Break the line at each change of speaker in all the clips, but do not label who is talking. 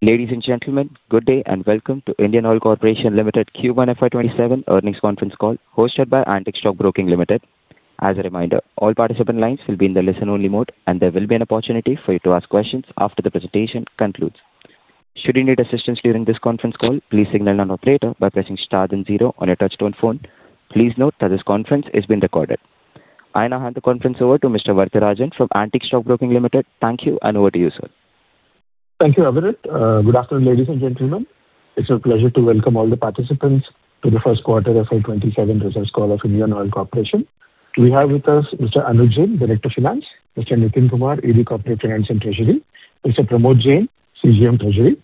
Ladies and gentlemen, good day and welcome to the Indian Oil Corporation Limited Q1 FY 2027 earnings conference call hosted by Antique Stock Broking Limited. As a reminder, all participant lines will be in the listen-only mode, and there will be an opportunity for you to ask questions after the presentation concludes. Should you need assistance during this conference call, please signal an operator by pressing star then zero on your touch-tone phone. Please note that this conference is being recorded. I now hand the conference over to Mr. Varatharajan from Antique Stock Broking Limited. Thank you, and over to you, sir.
Thank you, Avirit. Good afternoon, ladies and gentlemen. It is a pleasure to welcome all the participants to the first-quarter FY 2027 results call of Indian Oil Corporation. We have with us Mr. Anuj Jain, Director of Finance; Mr. Nitin Kumar, ED of Corporate Finance and Treasury; and Mr. Pramod Jain, CGM of Treasury.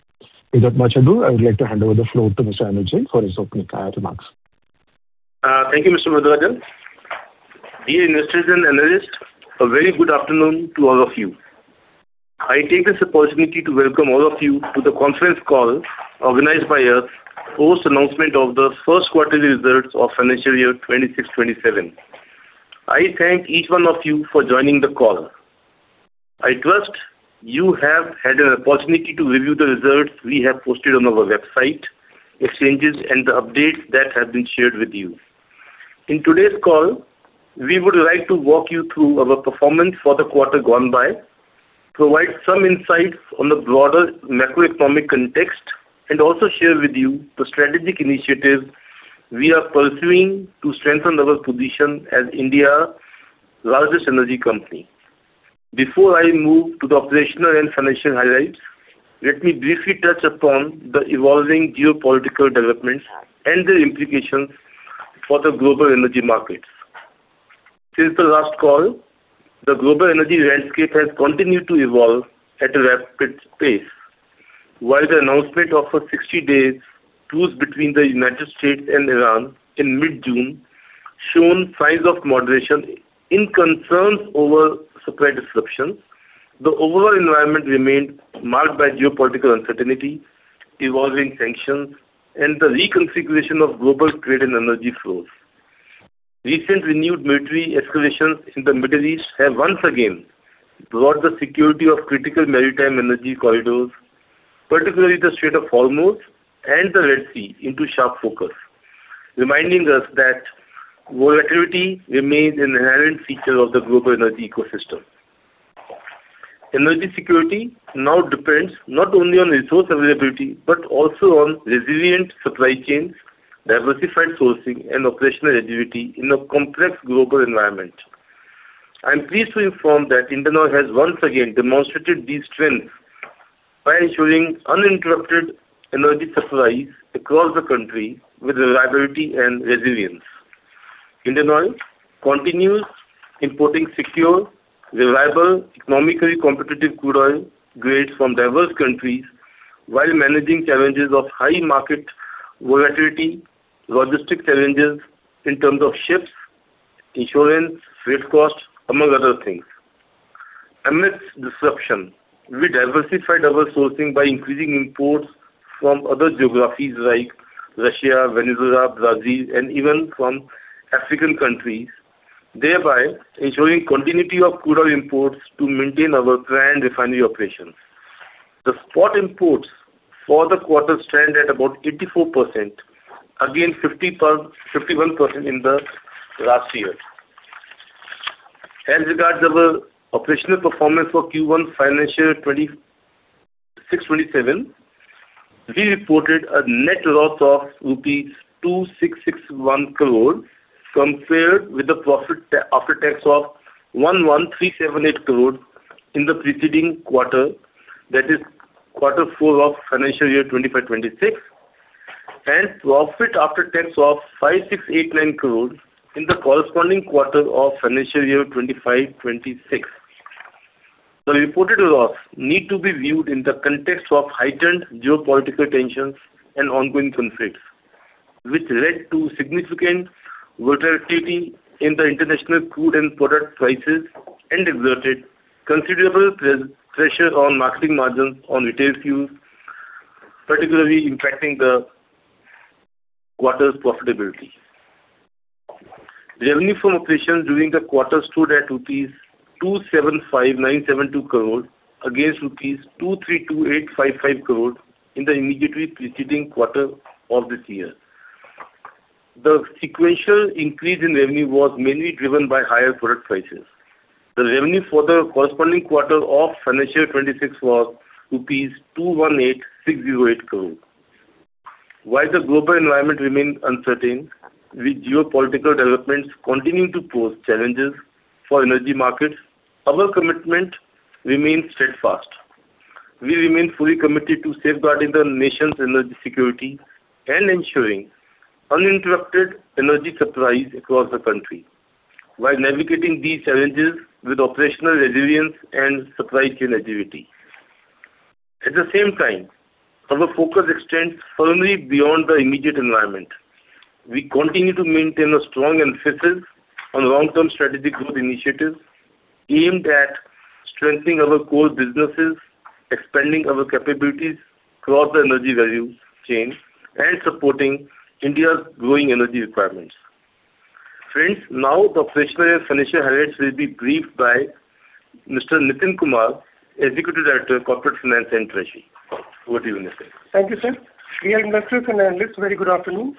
Without much ado, I would like to hand over the floor to Mr. Anuj Jain for his opening remarks.
Thank you, Mr. Varatharajan. Dear investors and analysts, a very good afternoon to all of you. I take this opportunity to welcome all of you to the conference call organized by us, post-announcement of the first quarterly results of financial year 2026/2027. I thank each one of you for joining the call. I trust you have had an opportunity to review the results we have posted on our website, exchanges, and the updates that have been shared with you. In today's call, we would like to walk you through our performance for the quarter gone by, provide some insights on the broader macroeconomic context, and also share with you the strategic initiatives we are pursuing to strengthen our position as India's largest energy company. Before I move to the operational and financial highlights, let me briefly touch upon the evolving geopolitical developments and their implications for the global energy markets. Since the last call, the global energy landscape has continued to evolve at a rapid pace. While the announcement of a 60-day truce between the United States and Iran in mid-June showed signs of moderation in concerns over supply disruptions, the overall environment remained marked by geopolitical uncertainty, evolving sanctions, and the reconfiguration of global trade and energy flows. Recent renewed military escalations in the Middle East have once again brought the security of critical maritime energy corridors, particularly the Strait of Hormuz and the Red Sea, into sharp focus, reminding us that volatility remains an inherent feature of the global energy ecosystem. Energy security now depends not only on resource availability but also on resilient supply chains, diversified sourcing, and operational agility in a complex global environment. I'm pleased to inform you that Indian Oil has once again demonstrated these strengths by ensuring uninterrupted energy supplies across the country with reliability and resilience. Indian Oil continues importing secure, reliable, economically competitive crude oil grades from diverse countries while managing challenges of high market volatility and logistic challenges in terms of ships, insurance, and freight costs, among other things. Amidst disruption, we diversified our sourcing by increasing imports from other geographies like Russia, Venezuela, Brazil, and even African countries, thereby ensuring continuity of crude oil imports to maintain our planned refinery operations. The spot imports for the quarter stand at about 84%, against 51% in the last year. As regards our operational performance for Q1 financial year 2026/2027, we reported a net loss of rupees 2,661 crores, compared with the profit after tax of 11,378 crores in the preceding quarter, that is quarter four of financial year 2025/2026, and profit after tax of 5,689 crores in the corresponding quarter of financial year 2025/2026. The reported loss needs to be viewed in the context of heightened geopolitical tensions and ongoing conflicts, which led to significant volatility in the international crude oil product prices and exerted considerable pressure on marketing margins on retail fuel, particularly impacting the quarter's profitability. Revenue from operations during the quarter stood at rupees 275,972 crores against rupees 232,855 crores in the immediately preceding quarter of this year. The sequential increase in revenue was mainly driven by higher product prices. The revenue for the corresponding quarter of financial 2026 was INR 218,608 crores. While the global environment remains uncertain, with geopolitical developments continuing to pose challenges for energy markets, our commitment remains steadfast. We remain fully committed to safeguarding the nation's energy security and ensuring uninterrupted energy supplies across the country while navigating these challenges with operational resilience and supply chain agility. At the same time, our focus extends firmly beyond the immediate environment. We continue to maintain a strong emphasis on long-term strategic growth initiatives aimed at strengthening our core businesses, expanding our capabilities across the energy value chain, and supporting India's growing energy requirements. Friends, now the professional financial highlights will be briefed by Mr. Nitin Kumar, Executive Director, Corporate Finance and Treasury. Over to you, Nitin.
Thank you, sir. Dear investors and analysts, a very good afternoon.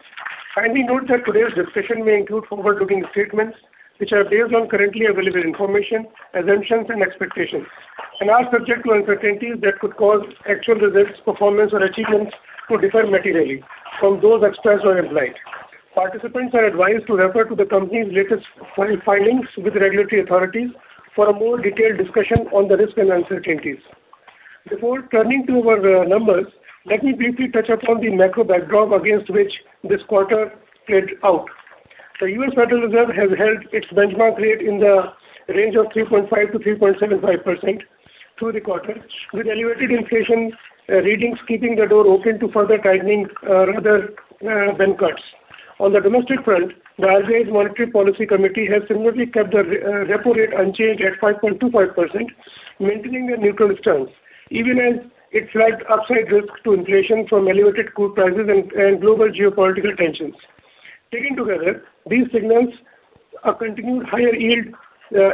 Kindly note that today's discussion may include forward-looking statements, which are based on currently available information, assumptions, and expectations, and are subject to uncertainties that could cause actual results, performance, or achievements to differ materially from those expressed or implied. Participants are advised to refer to the company's latest filings with regulatory authorities for a more detailed discussion on the risks and uncertainties. Before turning to our numbers, let me briefly touch upon the macro backdrop against which this quarter played out. The U.S. Federal Reserve has held its benchmark rate in the range of 3.5%-3.75% through the quarter, with elevated inflation readings keeping the door open to further tightening rather than cuts. On the domestic front, RBI's Monetary Policy Committee has similarly kept the repo rate unchanged at 5.25%, maintaining a neutral stance, even as it flagged upside risks to inflation from elevated crude prices and global geopolitical tensions. Taken together, these signals of a continued higher-yield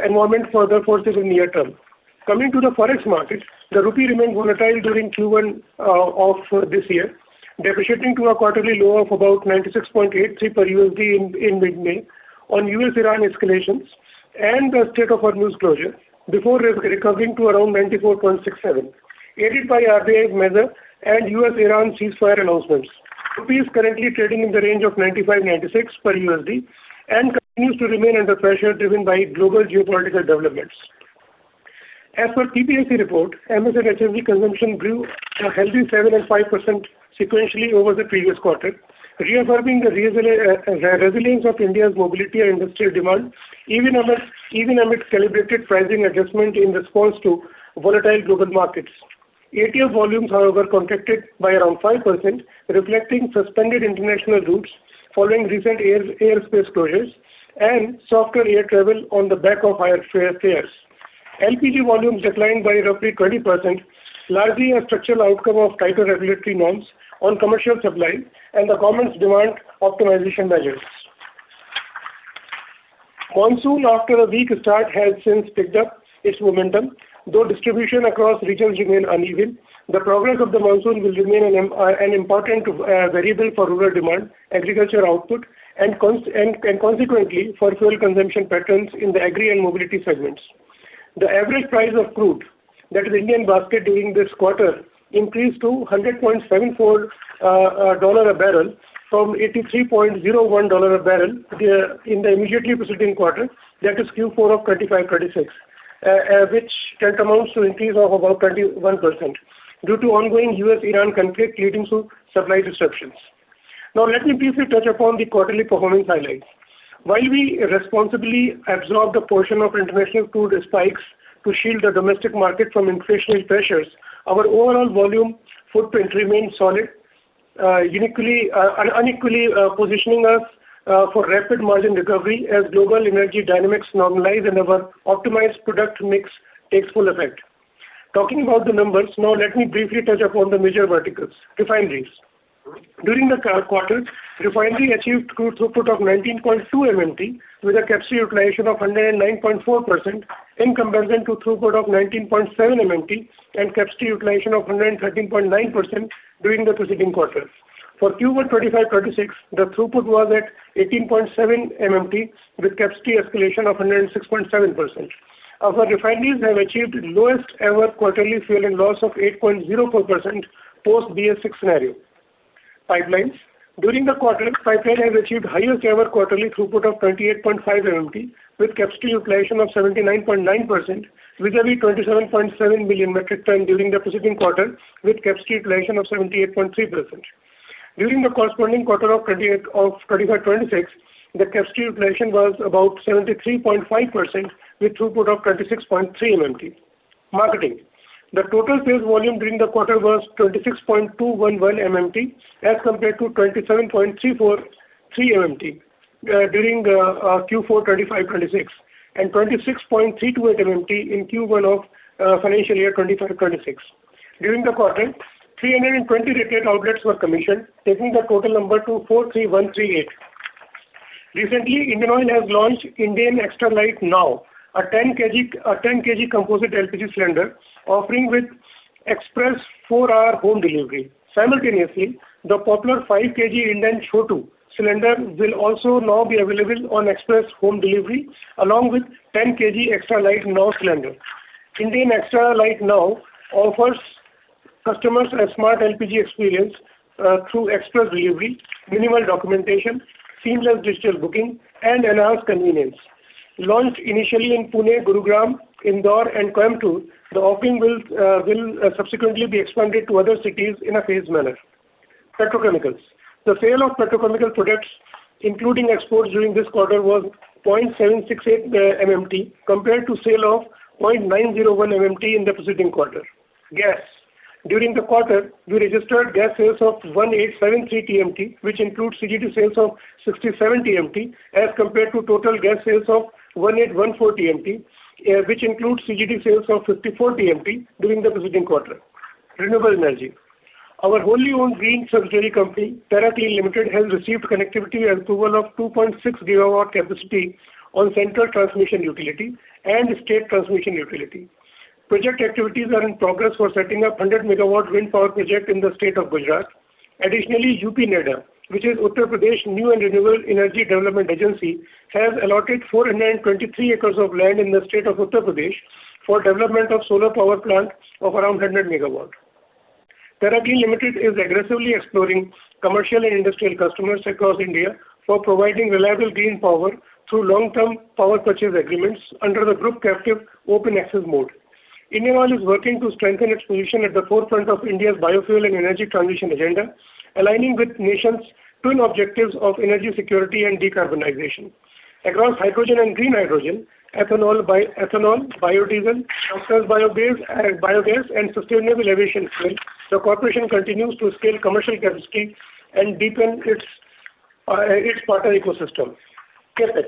environment further force in the near term. Coming to the forex market, the rupee remained volatile during Q1 of this year, depreciating to a quarterly low of about INR 96.83 per USD in mid-May on U.S.-Iran escalations and the Strait of Hormuz closure before recovering to around 94.67, aided by RBI's measure and U.S.-Iran ceasefire announcements. The rupee is currently trading in the range of INR 95-INR 96 per USD and continues to remain under pressure driven by global geopolitical developments. As for the PPAC report, MS and HSD consumption grew a healthy 7% and 5% sequentially over the previous quarter, reaffirming the resilience of India's mobility and industrial demand, even amidst the celebrated pricing adjustment in response to volatile global markets. ATF volumes, however, contracted by around 5%, reflecting suspended international routes following recent airspace closures and softer air travel on the back of higher fares. LPG volumes declined by roughly 20%, largely a structural outcome of tighter regulatory norms on commercial supply and the government's demand optimization measures. Monsoon, after a weak start, has since picked up its momentum, though distribution across regions remains uneven. The progress of the monsoon will remain an important variable for rural demand, agriculture output, and consequently, for fuel consumption patterns in the agri- and mobility segments. The average price of crude, that is Indian Crude Basket during this quarter, increased to $100.74 a barrel from $83.01 a barrel in the immediately preceding quarter, that is Q4 of 2025/2026, which tantamount to increase of about 21% due to ongoing U.S.-Iran conflict leading to supply disruptions. Let me briefly touch upon the quarterly performance highlights. While we responsibly absorb the portion of international crude spikes to shield the domestic market from inflationary pressures, our overall volume footprint remains solid, unequally positioning us for rapid margin recovery as global energy dynamics normalize and our optimized product mix takes full effect. Talking about the numbers, let me briefly touch upon the major verticals. Refineries. During the quarter, refinery achieved crude throughput of 19.2MMT with a capacity utilization of 109.4% in comparison to throughput of 19.7MMT and capacity utilization of 113.9% during the preceding quarter. For Q1 2025/2026, the throughput was at 18.7MMT with a capacity utilization of 106.7%. Our refineries have achieved the lowest ever quarterly fuel and loss of 8.04% post-BS6 scenario. Pipelines. During the quarter, pipeline has achieved the highest ever quarterly throughput of 28.5MMT with capacity utilization of 79.9%, vis-à-vis 27.7MMT during the preceding quarter with capacity utilization of 78.3%. During the corresponding quarter of 2025/2026, the capacity utilization was about 73.5% with a throughput of 26.3MMT. Marketing. The total sales volume during the quarter was 26.211MMT as compared to 27.343MMT, during Q4 2025/2026, and 26.328MMT in Q1 of financial year 2025/2026. During the quarter, 320 retail outlets were commissioned, taking the total number to 43,138. Recently, Indian Oil has launched Indane XTRALITE NOW, a 10kg composite LPG cylinder offering express four-hour home delivery. Simultaneously, the popular 5kg Indane Chhotu cylinder will also now be available on express home delivery along with 10 kg Indane XTRALITE NOW cylinder. Indane XTRALITE NOW offers customers a smart LPG experience through express delivery, minimal documentation, seamless digital booking, and enhanced convenience. Launched initially in Pune, Gurugram, Indore, and Coimbatore, the offering will subsequently be expanded to other cities in a phased manner. Petrochemicals. The sale of petrochemical products, including exports during this quarter, was 0.768MMT, compared to the sale of 0.901MMT in the preceding quarter. Gas. During the quarter, we registered gas sales of 1,873TMT, which includes CGD sales of 67TMT as compared to total gas sales of 1,814TMT, which includes CGD sales of 54TMT during the preceding quarter. Renewable energy. Our wholly owned green subsidiary company, Terra Green Limited, has received connectivity approval of 2.6GW capacity on Central Transmission Utility and State Transmission Utility. Project activities are in progress for setting up a 100MW wind power project in the state of Gujarat. Additionally, UPNEDA, which is the Uttar Pradesh New and Renewable Energy Development Agency, has allotted 423 acres of land in the state of Uttar Pradesh for the development of a solar power plant of around 100MW. Terra Green Limited is aggressively exploring commercial and industrial customers across India for providing reliable green power through long-term power purchase agreements under the group-captive open access mode. Indian Oil is working to strengthen its position at the forefront of India's biofuel and energy transition agenda, aligning with the nation's twin objectives of energy security and decarbonization. Across hydrogen and green hydrogen, ethanol, biodiesel, compressed bio-gas, and sustainable aviation fuel, the corporation continues to scale commercial capacity and deepen its partner ecosystem. CapEx.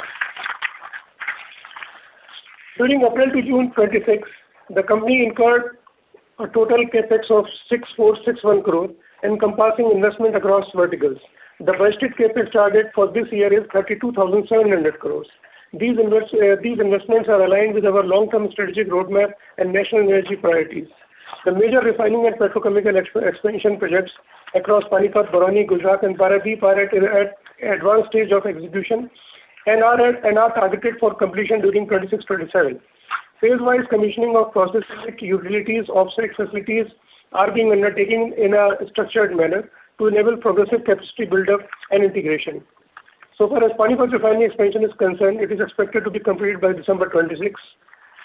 During April to June 2026, the company incurred a total CapEx of 6,461 crore, encompassing investment across verticals. The budgeted CapEx target for this year is 32,700 crore. These investments are aligned with our long-term strategic roadmap and national energy priorities. The major refining and petrochemical expansion projects across Panipat, Barauni, Gujarat, and Paradip are at an advanced stage of execution and are targeted for completion during 2026/2027. Phase-wise commissioning of process utilities and offsite facilities is being undertaken in a structured manner to enable progressive capacity build-up and integration. So far as Panipat refinery expansion is concerned, it is expected to be completed by December 2026,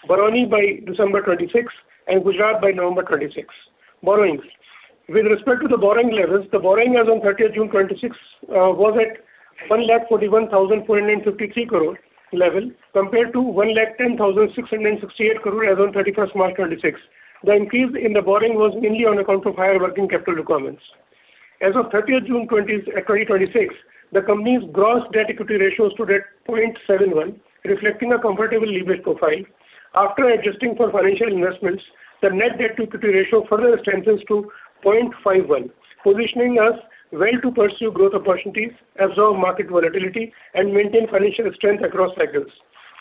Barauni by December 2026, and Gujarat by November 2026. Borrowings. With respect to the borrowing levels, the borrowing as on 30th June 2026, was at 141,453 crore level compared to 110,668 crore as on 31st March 2026. The increase in the borrowing was mainly on account of higher working capital requirements. As of 30th June 2026, the company's gross debt/equity ratio stood at 0.71x, reflecting a comfortable leverage profile. After adjusting for financial investments, the net debt/equity ratio further strengthens to 0.51x, positioning us well to pursue growth opportunities, absorb market volatility, and maintain financial strength across cycles.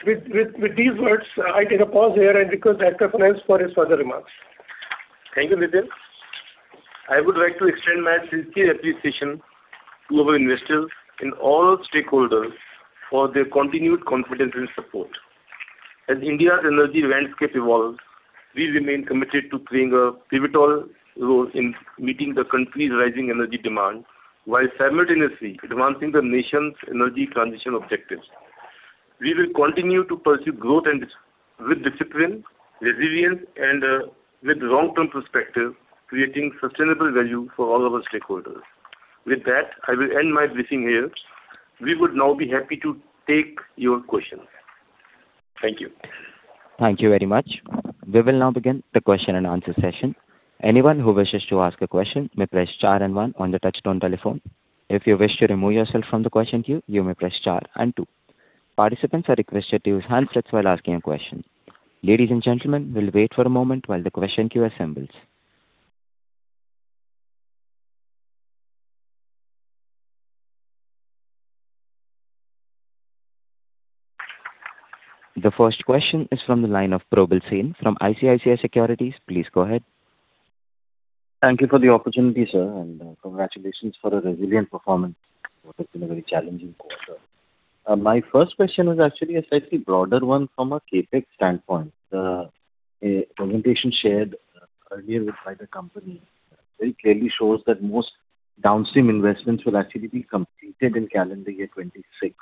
With these words, I take a pause here and request our chairman for his further remarks.
Thank you, Nitin. I would like to extend my sincere appreciation to our investors and all stakeholders for their continued confidence and support. As India's energy landscape evolves, we remain committed to playing a pivotal role in meeting the country's rising energy demand while simultaneously advancing the nation's energy transition objectives. We will continue to pursue growth with discipline, resilience, and with long-term perspective, creating sustainable value for all our stakeholders. With that, I will end my briefing here. We would now be happy to take your questions. Thank you.
Thank you very much. We will now begin the question and answer session. Anyone who wishes to ask a question may press the star and one on the touch-tone telephone. If you wish to remove yourself from the question queue, you may press star and two. Participants are requested to use handsets while asking a question. Ladies and gentlemen, we'll wait for a moment while the question queue assembles. The first question is from the line of Probal Sen from ICICI Securities. Please go ahead.
Thank you for the opportunity, sir, and congratulations for a resilient performance. What has been a very challenging quarter. My first question was actually a slightly broader one from a CapEx standpoint. The presentation shared earlier by the company very clearly shows that most downstream investments will actually be completed in calendar year 2026.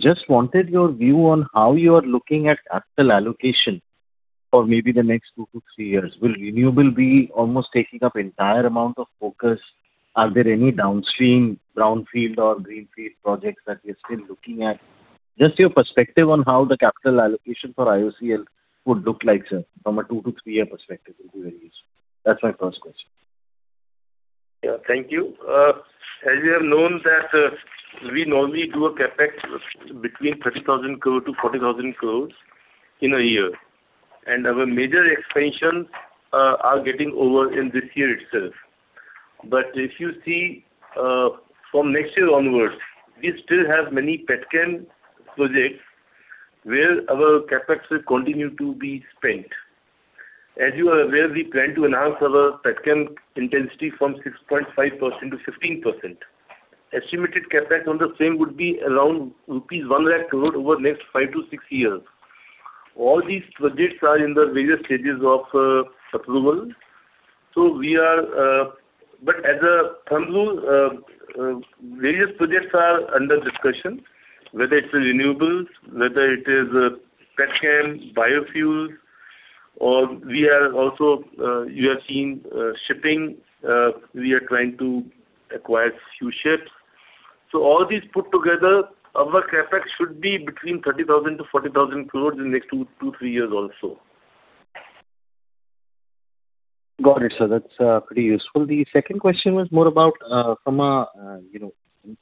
Just wanted your view on how you are looking at actual allocation for maybe the next two to three years. Will renewables be almost taking up the entire amount of focus? Are there any downstream, brownfield, or greenfield projects that you're still looking at? Just your perspective on how the capital allocation for IOCL would look, sir, from a two to three-year perspective, will be very useful. That's my first question.
Yeah. Thank you. As you have known, we normally do a CapEx between 30,000 crore and 40,000 crore in a year. Our major expansions are getting over in this year itself. If you see from next year onwards, we still have many petchem projects where our CapEx will continue to be spent. As you are aware, we plan to enhance our petchem intensity from 6.5% to 15%. Estimated CapEx on the same would be around rupees 100,000 crore over the next five to six years. All these projects are in the various stages of approval. As a thumb rule, various projects are under discussion, whether it's renewables, whether it is petchem, biofuels, or you have seen shipping, we are trying to acquire a few ships. All these put together, our CapEx should be between 30,000 crore and 40,000 crore in the next two to three years also.
Got it, sir. That's pretty useful. The second question was more about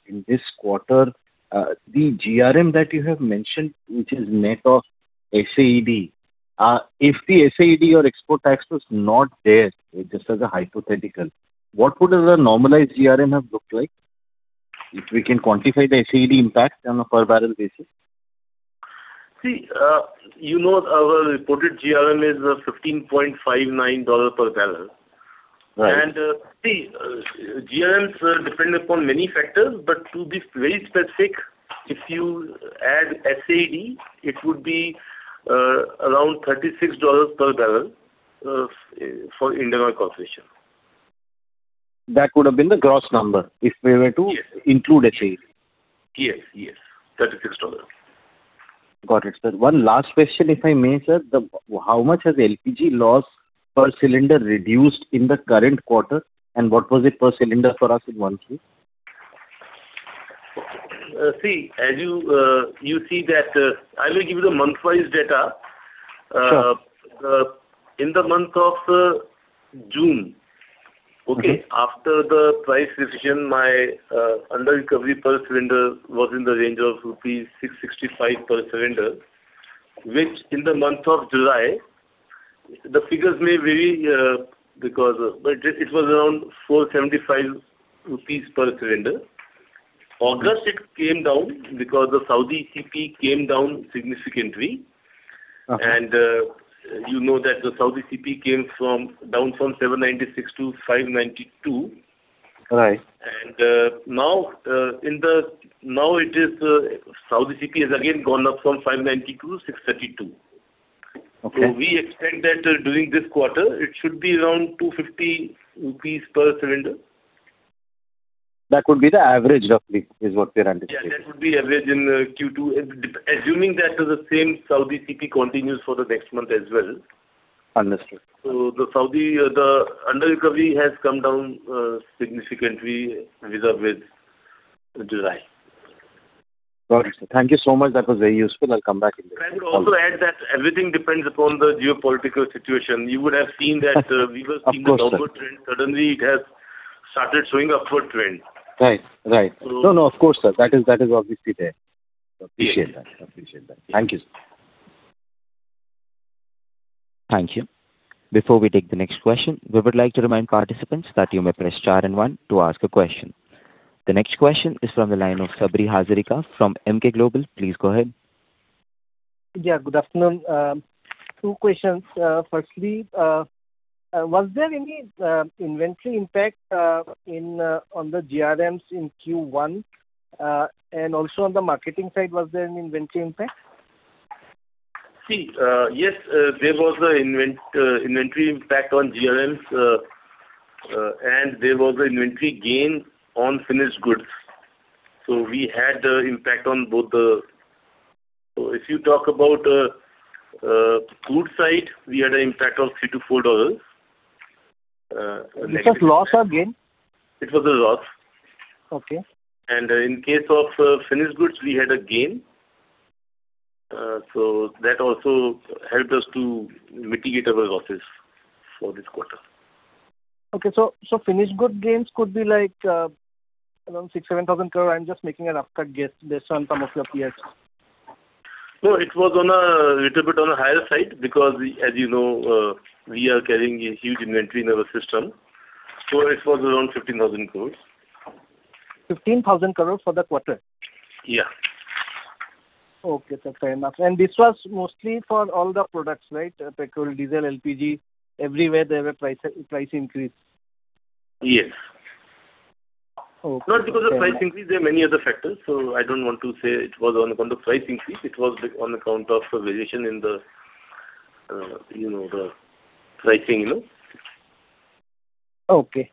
in this quarter, the GRM that you have mentioned, which is net of SAED. If the SAED or export tax was not there, just as a hypothetical, what would the normalized GRM have looked like? If we can quantify the SAED impact on a per-barrel basis.
You know our reported GRM is $15.59 per barrel.
Right.
GRMs depend upon many factors, but to be very specific, if you add SAED, it would be around $36 per barrel for Indian Oil Corporation.
That would have been the gross number if we were
Yes.
Include SAED.
Yes. $36.
Got it, sir. One last question, if I may, sir. How much has LPG loss per cylinder reduced in the current quarter, and what was it per cylinder for us in Q1?
I will give you the month-wise data.
Sure.
In the month of June, after the price revision, my under-recovery per cylinder was in the range of rupees 665 per cylinder. Which, in the month of July, the figures may vary, but it was around 475 rupees per cylinder. August, it came down because the Saudi CP came down significantly.
Okay.
You know that the Saudi CP came down from 796 to 592.
Right.
Now Saudi CP has again gone up from 592 to 632.
Okay.
We expect that during this quarter, it should be around 250 rupees per cylinder.
That would be the average roughly is what we are anticipating.
Yeah, that would be average in Q2, assuming that the same Saudi CP continues for the next month as well.
Understood.
The under-recovery has come down significantly vis-à-vis July.
Got it, sir. Thank you so much. That was very useful. I'll come back in the—
Can I also add that everything depends upon the geopolitical situation? You would have seen that—
Of course, sir.
We were seeing the downward trend; suddenly it has started showing an upward trend.
Right. No, of course, sir. That is obviously there. Appreciate that. Thank you, sir.
Thank you. Before we take the next question, we would like to remind participants that you may press star and one to ask a question. The next question is from the line of Sabri Hazarika from MK Global. Please go ahead.
Yeah, good afternoon. Two questions. Firstly, was there any inventory impact on the GRMs in Q1? Also, on the marketing side, was there an inventory impact?
See, yes, there was an inventory impact on GRMs, and there was an inventory gain on finished goods. We had the impact on both. If you talk about the crude side, we had an impact of $3-$4.
This was loss or gain?
It was a loss.
Okay.
In case of finished goods, we had a gain. That also helped us to mitigate our losses for this quarter.
Okay. Finished good gains could be around 6,000 crore or 7,000 crore. I'm just making a rough guess based on some of your peers.
No, it was a little bit on a higher side because, as you know, we are carrying a huge inventory in our system. It was around 15,000 crore.
15,000 crore for the quarter?
Yeah.
Okay, sir. Fair enough. This was mostly for all the products, right? Petrol, diesel, and LPG everywhere there were price increases.
Yes.
Okay. Fair enough. Not because of price increase, there are many other factors.
I don't want to say it was on account of price increase. It was on account of variation in the pricing.
Okay.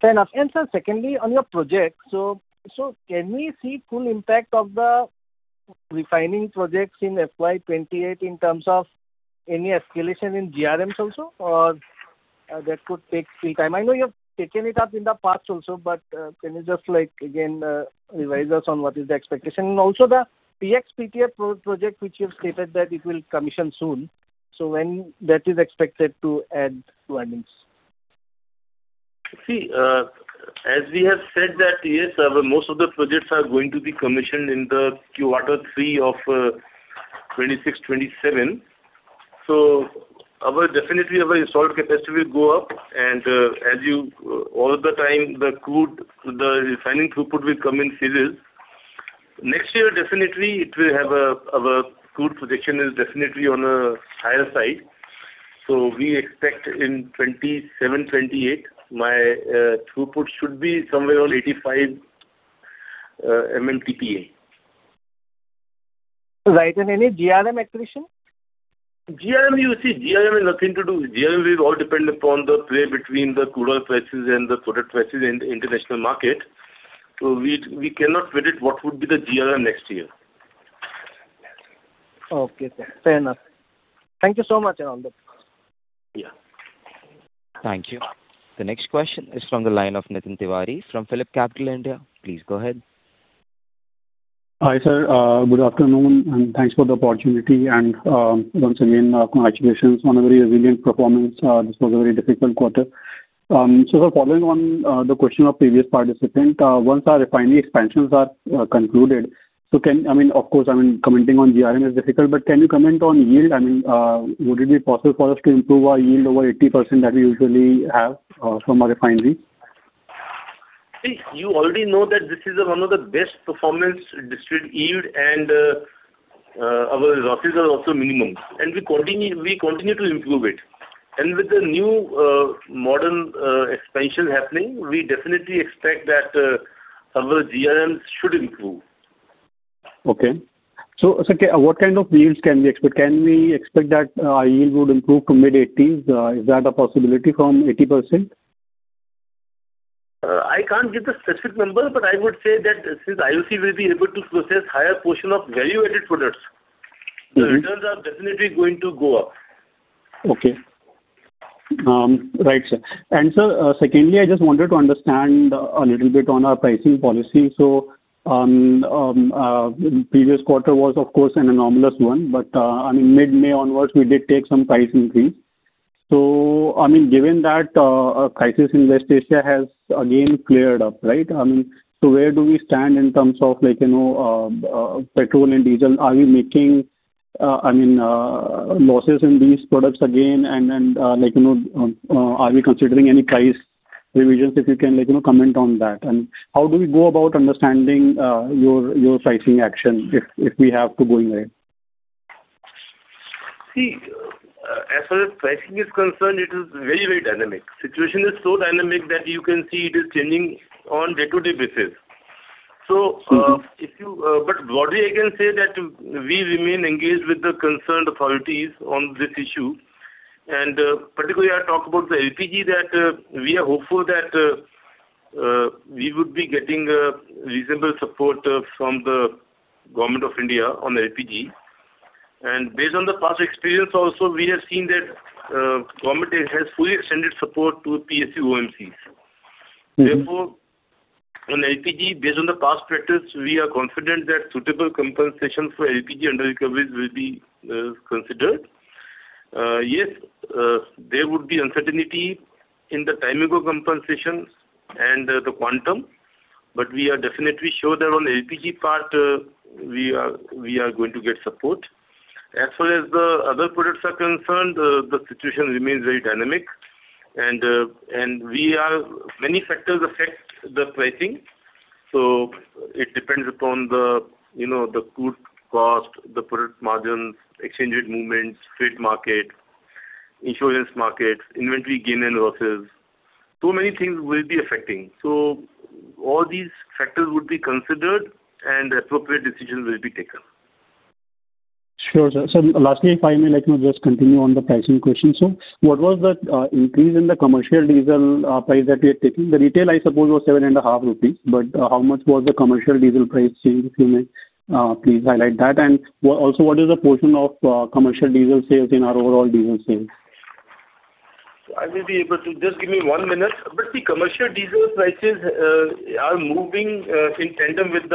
Fair enough. Sir, secondly, on your project, can we see the full impact of the refining projects in FY 2028 in terms of any escalation in GRMs also? That could take still more time. I know you have taken it up in the past also, but can you just again revise us on what the expectation is? Also the PX-PTA project, which you have stated that it will commission soon. When is that expected to add to earnings?
As we have said, most of the projects are going to be commissioned in Q3 of 2026/2027. Definitely our installed capacity will go up, and all the time, the refining throughput will come in phases. Next year, our crude projection is definitely on a higher side. We expect in 2027/2028, my throughput should be somewhere around 85 MMTPA.
Right. Any GRM escalation?
GRM is nothing to do. GRM will all depend upon the play between the crude oil prices and the product prices in the international market. We cannot predict what would be the GRM next year.
Okay, sir. Fair enough. Thank you so much and all the best.
Yeah.
Thank you. The next question is from the line of Nitin Tiwari from PhillipCapital India. Please go ahead.
Hi, sir. Good afternoon. Thanks for the opportunity. Once again, congratulations on a very resilient performance. This was a very difficult quarter. Following on the question of previous participant, once our refinery expansions are concluded, of course, commenting on GRM is difficult, but can you comment on yield? Would it be possible for us to improve our yield over 80% that we usually have from our refinery?
You already know that this is one of the best performance distillate yield and our losses are also minimum, and we continue to improve it. With the new modern expansion happening, we definitely expect that our GRMs should improve.
Okay. Sir, what kind of yields can we expect? Can we expect that our yield would improve to mid-18%? Is that a possibility from 80%?
I can't give the specific number, but I would say that since IOC will be able to process a higher portion of value-added products- The returns are definitely going to go up.
Okay. Right, sir. Sir, secondly, I just wanted to understand a little bit on our pricing policy. The previous quarter was, of course, an anomalous one, but from mid-May onwards we did take some pricing fees. Given that the crisis in West Asia has again cleared up, right? Where do we stand in terms of petrol and diesel? Are we making losses in these products again, and are we considering any price revisions, if you can comment on that. How do we go about understanding your pricing action if we have to go in there?
As far as pricing is concerned, it is very dynamic. The situation is so dynamic that you can see it is changing on a day-to-day basis. Broadly, I can say that we remain engaged with the concerned authorities on this issue. Particularly I talk about the LPG, and we are hopeful that we would be getting reasonable support from the government of India on LPG. Based on the past experience also, we have seen that the government has fully extended support to PSU OMCs. Therefore, on LPG, based on the past practice, we are confident that suitable compensation for LPG underrecoveries will be considered. Yes, there would be uncertainty in the timing of compensations and the quantum, but we are definitely sure that on the LPG part we are going to get support. As far as the other products are concerned, the situation remains very dynamic, and many factors affect the pricing. It depends upon the crude cost, the product margins, exchange rate movements, the trade market, the insurance markets, inventory gains and losses. Many things will be affected. All these factors would be considered, and appropriate decisions will be taken.
Sure, sir. Lastly, if I may just continue on the pricing question, sir. What was the increase in the commercial diesel price that we had taken? The retail, I suppose, was 7.5 rupees, how much was the commercial diesel price change, if you may please highlight that? Also, what is the portion of commercial diesel sales in our overall diesel sales?
Just give me one minute. See, commercial diesel prices are always moving in tandem with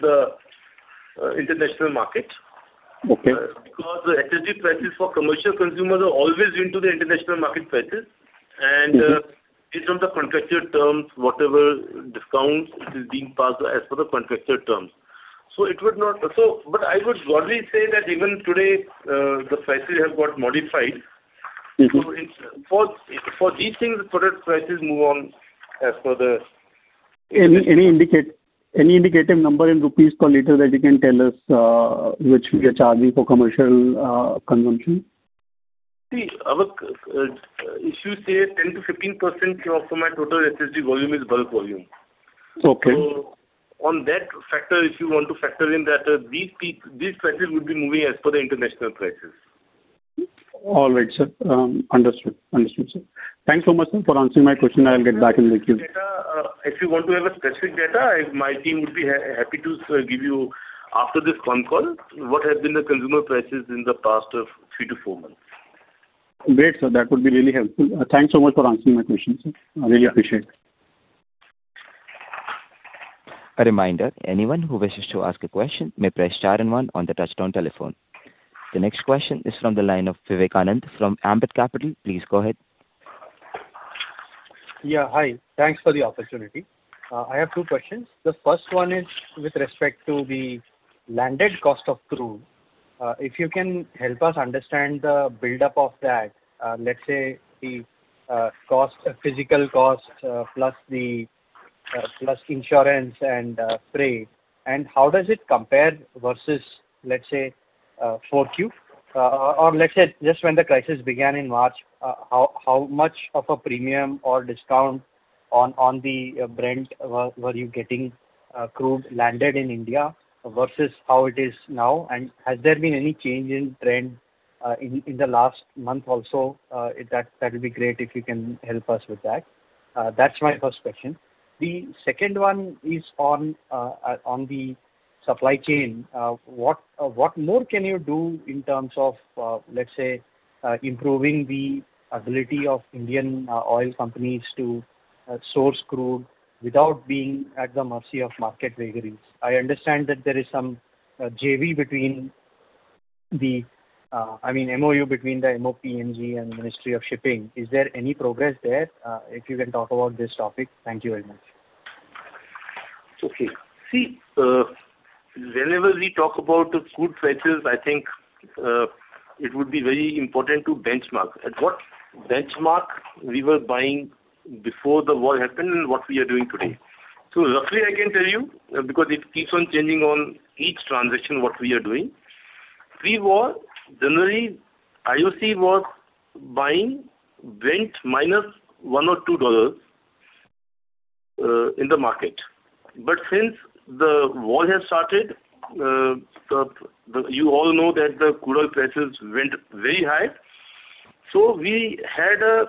the international market.
Okay.
The HSD prices for commercial consumers have always been the international market prices. Based on the contracted terms, whatever discounts it is being passed as per the contracted terms. I would broadly say that even today, the prices have got modified. For these things, product prices move on as per the—
Any indicative number in INR per liter that you can tell us, which we are charging for commercial consumption?
If you say 10%-15% of my total HSD volume is bulk volume.
Okay.
On that factor, if you want to factor in that, these prices would be moving as per the international prices.
All right, sir. Understood, sir. Thanks so much, sir, for answering my question. I'll get back in the queue.
If you want to have specific data, my team would be happy to give you after this con-call what the consumer prices have been in the past three to four months.
Great, sir. That would be really helpful. Thanks so much for answering my question, sir. I really appreciate it.
A reminder, anyone who wishes to ask a question may press star and one on the touchtone telephone. The next question is from the line of Vivekanand from Ambit Capital. Please go ahead.
Hi. Thanks for the opportunity. I have two questions. The first one is with respect to the landed cost of crude. If you can help us understand the buildup of that, let's say the physical cost plus insurance and freight. How does it compare versus, let's say, Q4? Let's say just when the crisis began in March, how much of a premium or discount on the Brent were you getting crude landed in India versus how it is now? Has there been any change in trend in the last month also? That would be great if you can help us with that. That's my first question. The second one is on the supply chain. What more can you do in terms of, let's say, improving the ability of Indian oil companies to source crude without being at the mercy of market vagaries? I understand that there is some MoU between the MoPNG and the Ministry of Shipping, is there any progress there? If you can talk about this topic. Thank you very much.
See, whenever we talk about crude prices, I think it would be very important to benchmark. At what benchmark were we buying before the war happened, and what we are doing today? Luckily, I can tell you, because it keeps on changing on each transaction what we are doing. Pre-war, generally, the IOC was buying Brent $-1 or $-2 in the market. Since the war has started, you all know that the crude oil prices have gone very high. We had a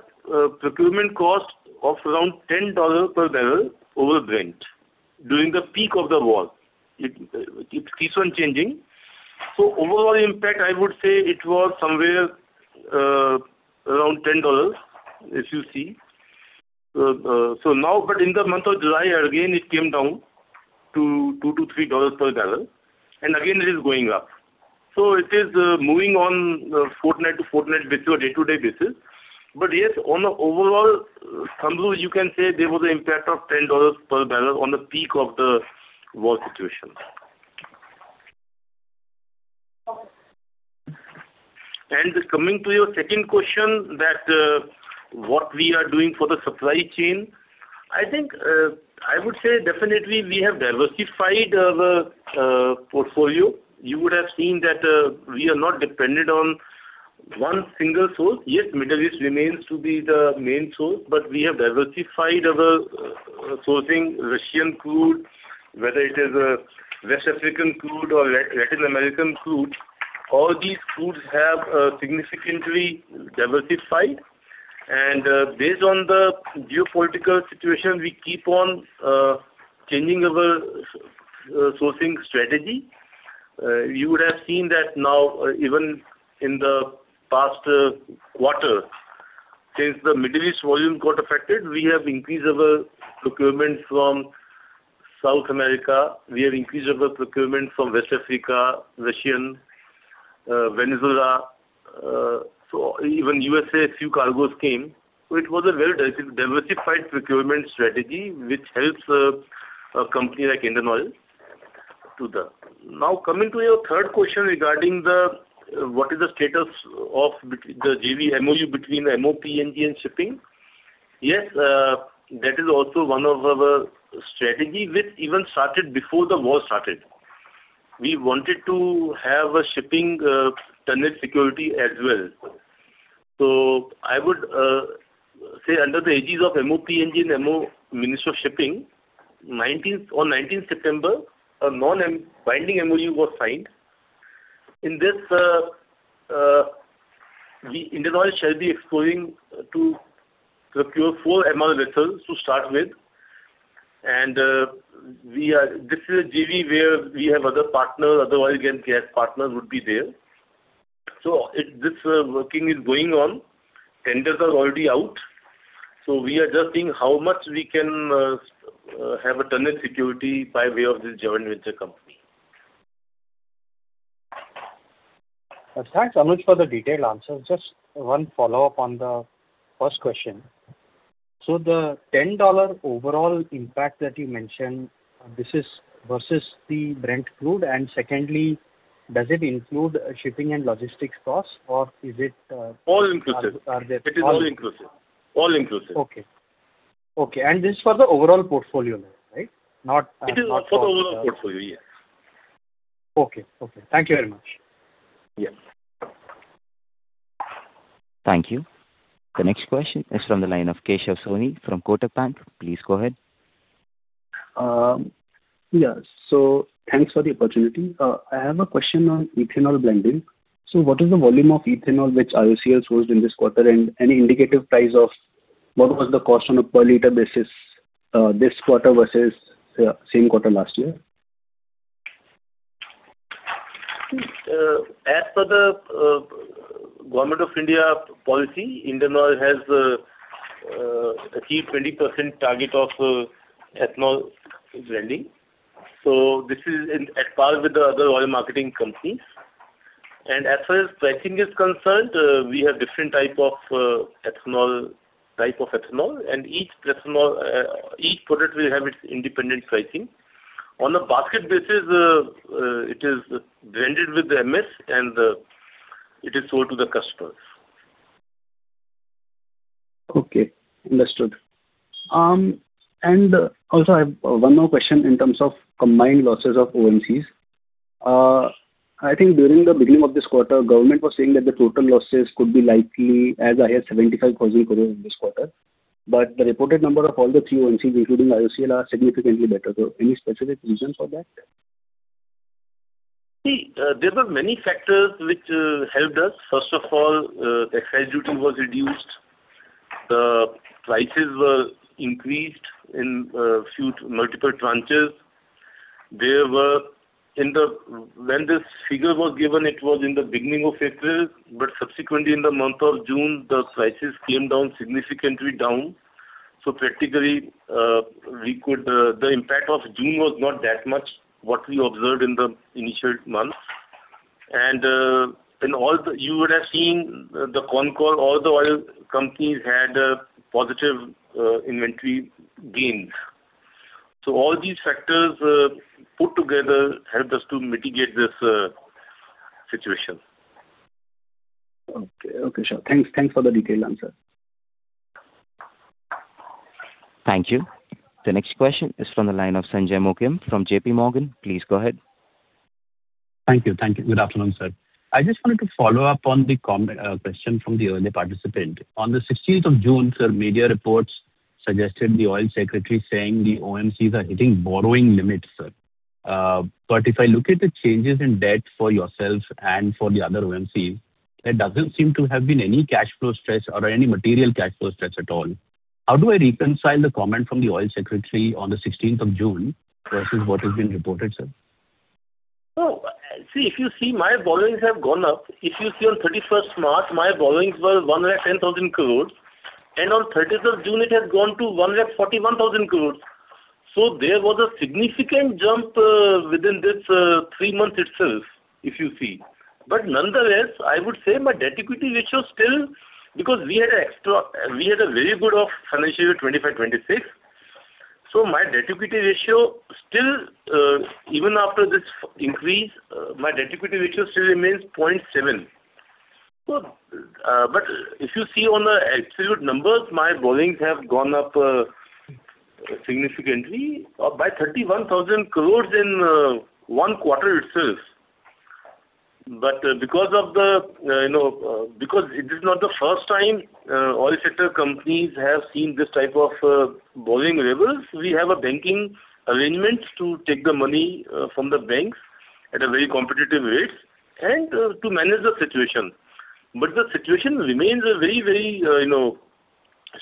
procurement cost of around INR 10 per barrel over Brent during the peak of the war. It keeps on changing. Overall impact, I would say it was somewhere around $10, if you see. In the month of July, again, it came down to $2 to $3 per barrel, and again, it is going up. It is moving on a fortnight-to-fortnight basis or day-to-day basis. Yes, on the overall summary, you can say there was an impact of $10 per barrel on the peak of the war situation. Coming to your second question, what we are doing for the supply chain? I think I would say definitely we have diversified our portfolio. You would have seen that we are not dependent on one single source. Yes, the Middle East remains the main source; we have diversified our sourcing. Russian crude, whether it is West African crude or Latin American crude, all these crudes have significantly diversified. Based on the geopolitical situation, we keep on changing our sourcing strategy. You would have seen that now, even in the past quarter, since the Middle East volume got affected, we have increased our procurement from South America, we have increased our procurement from West Africa, Russia, and Venezuela. Even in the USA, a few cargos came. It was a very diversified procurement strategy, which helps a company like Indian Oil. Coming to your third question regarding what the status of the JV MoU between MoPNG and Shipping is. Yes, that is also one of our strategies, which even started before the war started. We wanted to have a shipping tonnage security as well. I would say under the aegis of MoPNG and the Ministry of Shipping, on 19th September, a non-binding MoU was signed. In this, Indian Oil shall be exploring to procure four MR vessels to start with. This is a JV where we have other partners; other oil and gas partners would be there. This working is going on. Tenders are already out. We are just seeing how much we can have a tonnage security by way of this joint venture company.
Thanks, Anuj, for the detailed answer. Just one follow-up on the first question. The $10 overall impact that you mentioned, this is versus the Brent Crude. Secondly, does it include shipping and logistics costs, or is it?
All inclusive.
Are there—
It is all inclusive. All inclusive.
Okay. Okay. This is for the overall portfolio now, right?
It is for the overall portfolio, yes.
Okay. Thank you very much.
Yes.
Thank you. The next question is from the line of Keshav Sawhney from Kotak. Please go ahead.
Yeah. Thanks for the opportunity. I have a question on ethanol blending. What is the volume of ethanol that IOCL sourced in this quarter? Any indicative price of what the cost was on a per-liter basis this quarter versus the same quarter last year?
As per the Government of India policy, Indian Oil has achieved a 20% target of ethanol blending. This is at par with the other oil marketing companies. As far as pricing is concerned, we have different types of ethanol, and each product will have its independent pricing. On a basket basis, it is blended with the MS, and it is sold to the customers.
Okay. Understood. I have one more question in terms of combined losses of OMCs. I think during the beginning of this quarter, the government was saying that the total losses could be as high as 75,000 crore in this quarter, but the reported number of all three OMCs, including IOCL, is significantly better. Any specific reason for that?
There were many factors that helped us. First of all, the excise duty was reduced. The prices were increased in multiple tranches. When this figure was given, it was in the beginning of April, but subsequently, in the month of June, the prices came down significantly. Practically, the impact of June was not that much of what we observed in the initial months. You would have seen the con-call; all the oil companies had positive inventory gains. All these factors put together helped us to mitigate this situation.
Okay. Sure. Thanks for the detailed answer.
Thank you. The next question is from the line of Sanjay Mookim from JP Morgan. Please go ahead.
Thank you. Good afternoon, sir. I just wanted to follow up on the question from the earlier participant. On the 16th of June, sir, media reports suggested the Oil Secretary saying the OMCs are hitting borrowing limits, sir. If I look at the changes in debt for yourself and for the other OMCs, there doesn't seem to have been any cash flow stress or any material cash flow stress at all. How do I reconcile the comment from the Oil Secretary on the 16th of June versus what has been reported, sir?
If you see, my borrowings have gone up. If you see on 31st March, my borrowings were 110,000 crore, and on 30th June, they have gone to 141,000 crore. There was a significant jump within these three months itself, if you see. Nonetheless, I would say my debt-equity ratio is still good, because we had a very good financial year, 2025-2026. My debt-equity ratio, even after this increase, still remains 0.7x. If you look at the absolute numbers, my borrowings have gone up significantly by 31,000 crore in one quarter itself. Because it is not the first time oil sector companies have seen this type of borrowing level, we have a banking arrangement to take the money from the banks at very competitive rates and to manage the situation. The situation remains very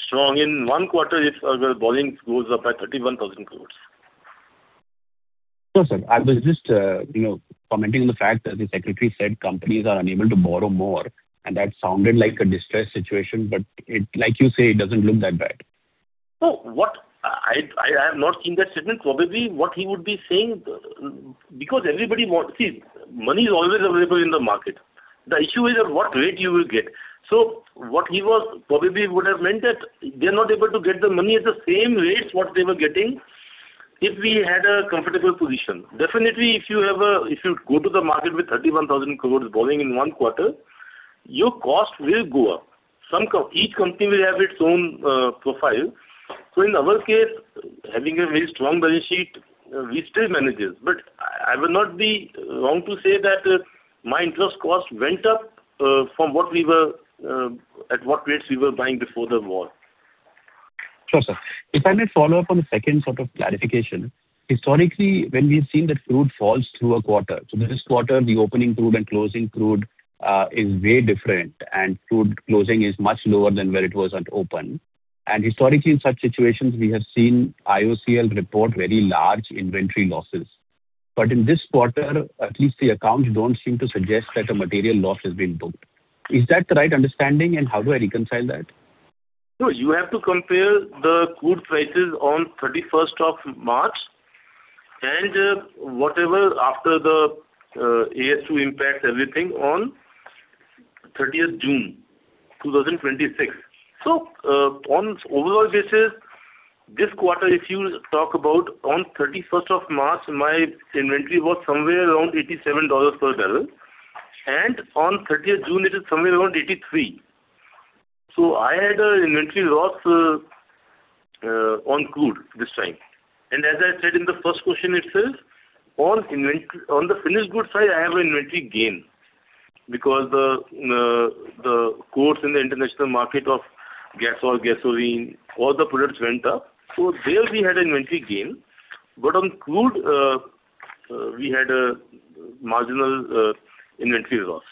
strong. In one quarter, if our borrowings goes up by INR 31,000 crore.
No, sir. I was just commenting on the fact that the secretary said companies are unable to borrow more, and that sounded like a distressed situation. Like you say, it doesn't look that bad.
No. I have not seen that statement. Money is always available in the market. The issue is at what rate you will get. What he probably would have meant is that they're not able to get the money at the same rates what they were getting if we had a comfortable position. Definitely, if you go to the market with 31,000 crore borrowing in one quarter, your cost will go up. Each company will have its own profile. In our case, having a very strong balance sheet, we still manage it. I will not be wrong to say that my interest cost went up from what rates we were buying before the war.
Sure, sir. If I may follow up on the second sort of clarification. Historically, when we've seen that crude falls through a quarter, this quarter, the opening crude and closing crude is very different, and crude closing is much lower than where it was at open. Historically, in such situations, we have seen IOCL report very large inventory losses. In this quarter, at least the accounts don't seem to suggest that a material loss has been booked. Is that the right understanding, and how do I reconcile that?
No. You have to compare the crude prices on the 31st of March and whatever after the ASU impacts everything on the 30th of June 2026. On an overall basis, this quarter, if you talk about the 31st of March, my inventory was somewhere around $87 per barrel, and on the 30th of June, it was somewhere around $83. I had an inventory loss on crude this time. As I said in the first question itself, on the finished goods side, I have an inventory gain because the quotes in the international market of gas or gasoline, and all the products, went up. There we had an inventory gain. On crude, we had a marginal inventory loss.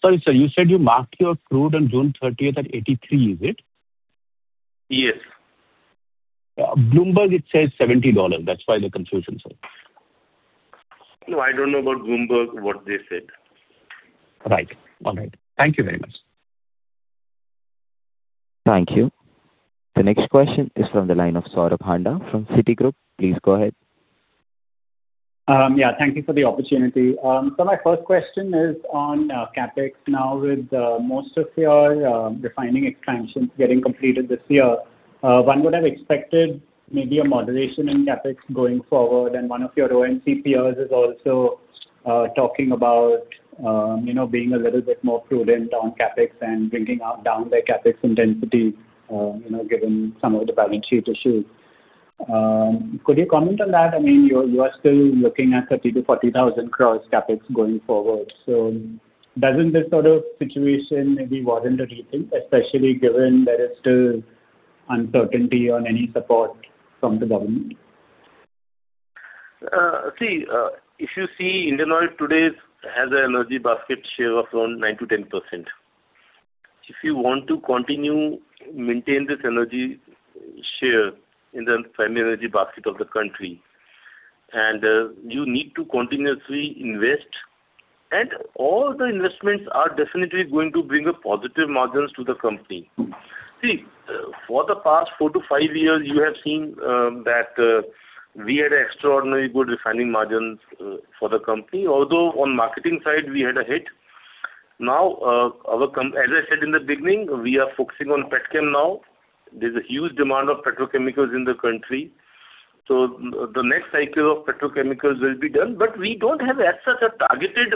Sorry, sir. You said you marked your crude on June 30th at $83, is it?
Yes.
Bloomberg, it says $70. That's why the confusion, sir.
I don't know about Bloomberg or what they said.
Right. All right. Thank you very much.
Thank you. The next question is from the line of Saurabh Handa from Citigroup. Please go ahead.
Thank you for the opportunity. My first question is on CapEx. With most of your refining expansions getting completed this year, one would have expected maybe a moderation in CapEx going forward, and one of your OMC peers is also talking about being a little bit more prudent on CapEx and bringing down their CapEx intensity given some of the balance sheet issues. Could you comment on that? You are still looking at 30,000 crore-40,000 crore CapEx going forward. Doesn't this sort of situation maybe warrant a rethink, especially given there is still uncertainty on any support from the government?
If you see, Indian Oil today has an energy basket share of around 9%-10%. If you want to continue to maintain this energy share in the primary energy basket of the country, you need to continuously invest, and all the investments are definitely going to bring positive margins to the company. For the past four to five years, you have seen that we had extraordinarily good refining margins for the company. Although on the marketing side, we had a hit. As I said in the beginning, we are focusing on petchem now. There's a huge demand for petrochemicals in the country. The next cycle of petrochemicals will be done, but we don't have, as such, a targeted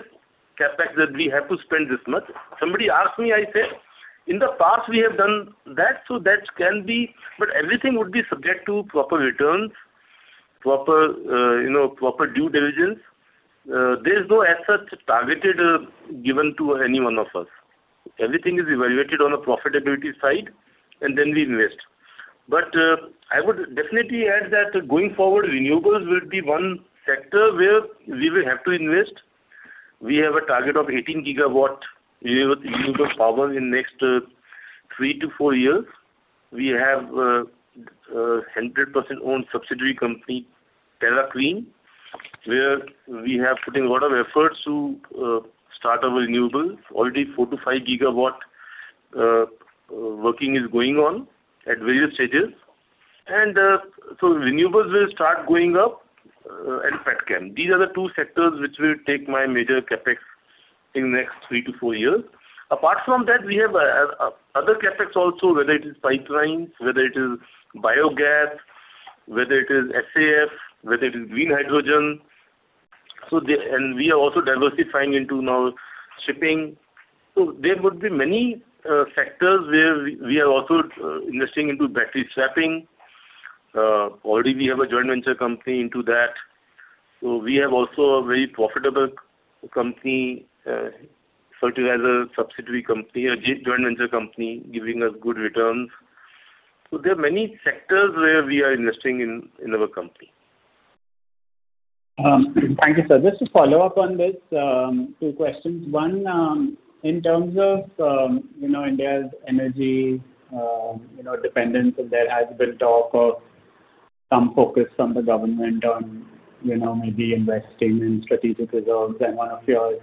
CapEx that we have to spend this much. Somebody asked me, and I said, In the past we have done that, but everything would be subject to proper returns and proper due diligence. There is no, as such, target given to any one of us. Everything is evaluated on a profitability side, and we invest. I would definitely add that going forward, renewables will be one sector where we will have to invest. We have a target of 18GW of renewable power in the next three to four years. We have a 100% owned subsidiary company, Terra Clean, where we have put in a lot of effort to start our renewables. Already four to five gigawatts are going on at various stages. Renewables will start going up, and petchem. These are the two sectors that will take my major CapEx in the next three to four years. Apart from that, we have other CapEx also, whether it is pipelines, whether it is biogas, whether it is SAF, or whether it is green hydrogen. We are also diversifying into shipping now. There would be many sectors where we are also investing in battery swapping. Already we have a joint venture company in that. We also have a very profitable company, a fertilizer subsidiary company, and a joint venture company, giving us good returns. There are many sectors where we are investing in our company.
Thank you, sir. Just to follow up on this, two questions. One, in terms of India's energy dependence, there has been talk of some focus from the government on maybe investing in strategic reserves, and one of your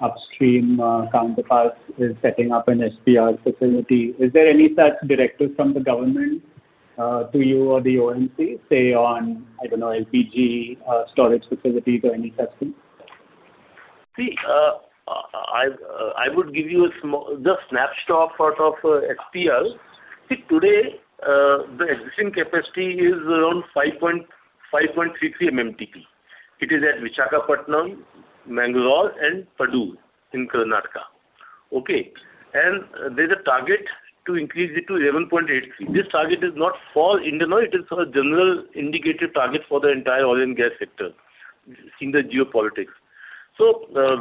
upstream counterparts is setting up an SPR facility. Is there any such directive from the government to you or the OMC, say, on, I don't know, LPG storage facilities or any such thing?
I would give you just a snapshot of SPR. Today, the existing capacity is around 5.33MMT. It is at Visakhapatnam, Mangalore, and Padur in Karnataka. Okay. There's a target to increase it to 11.83. This target is not for Indian Oil. It is a general indicated target for the entire oil and gas sector, seeing the geopolitics.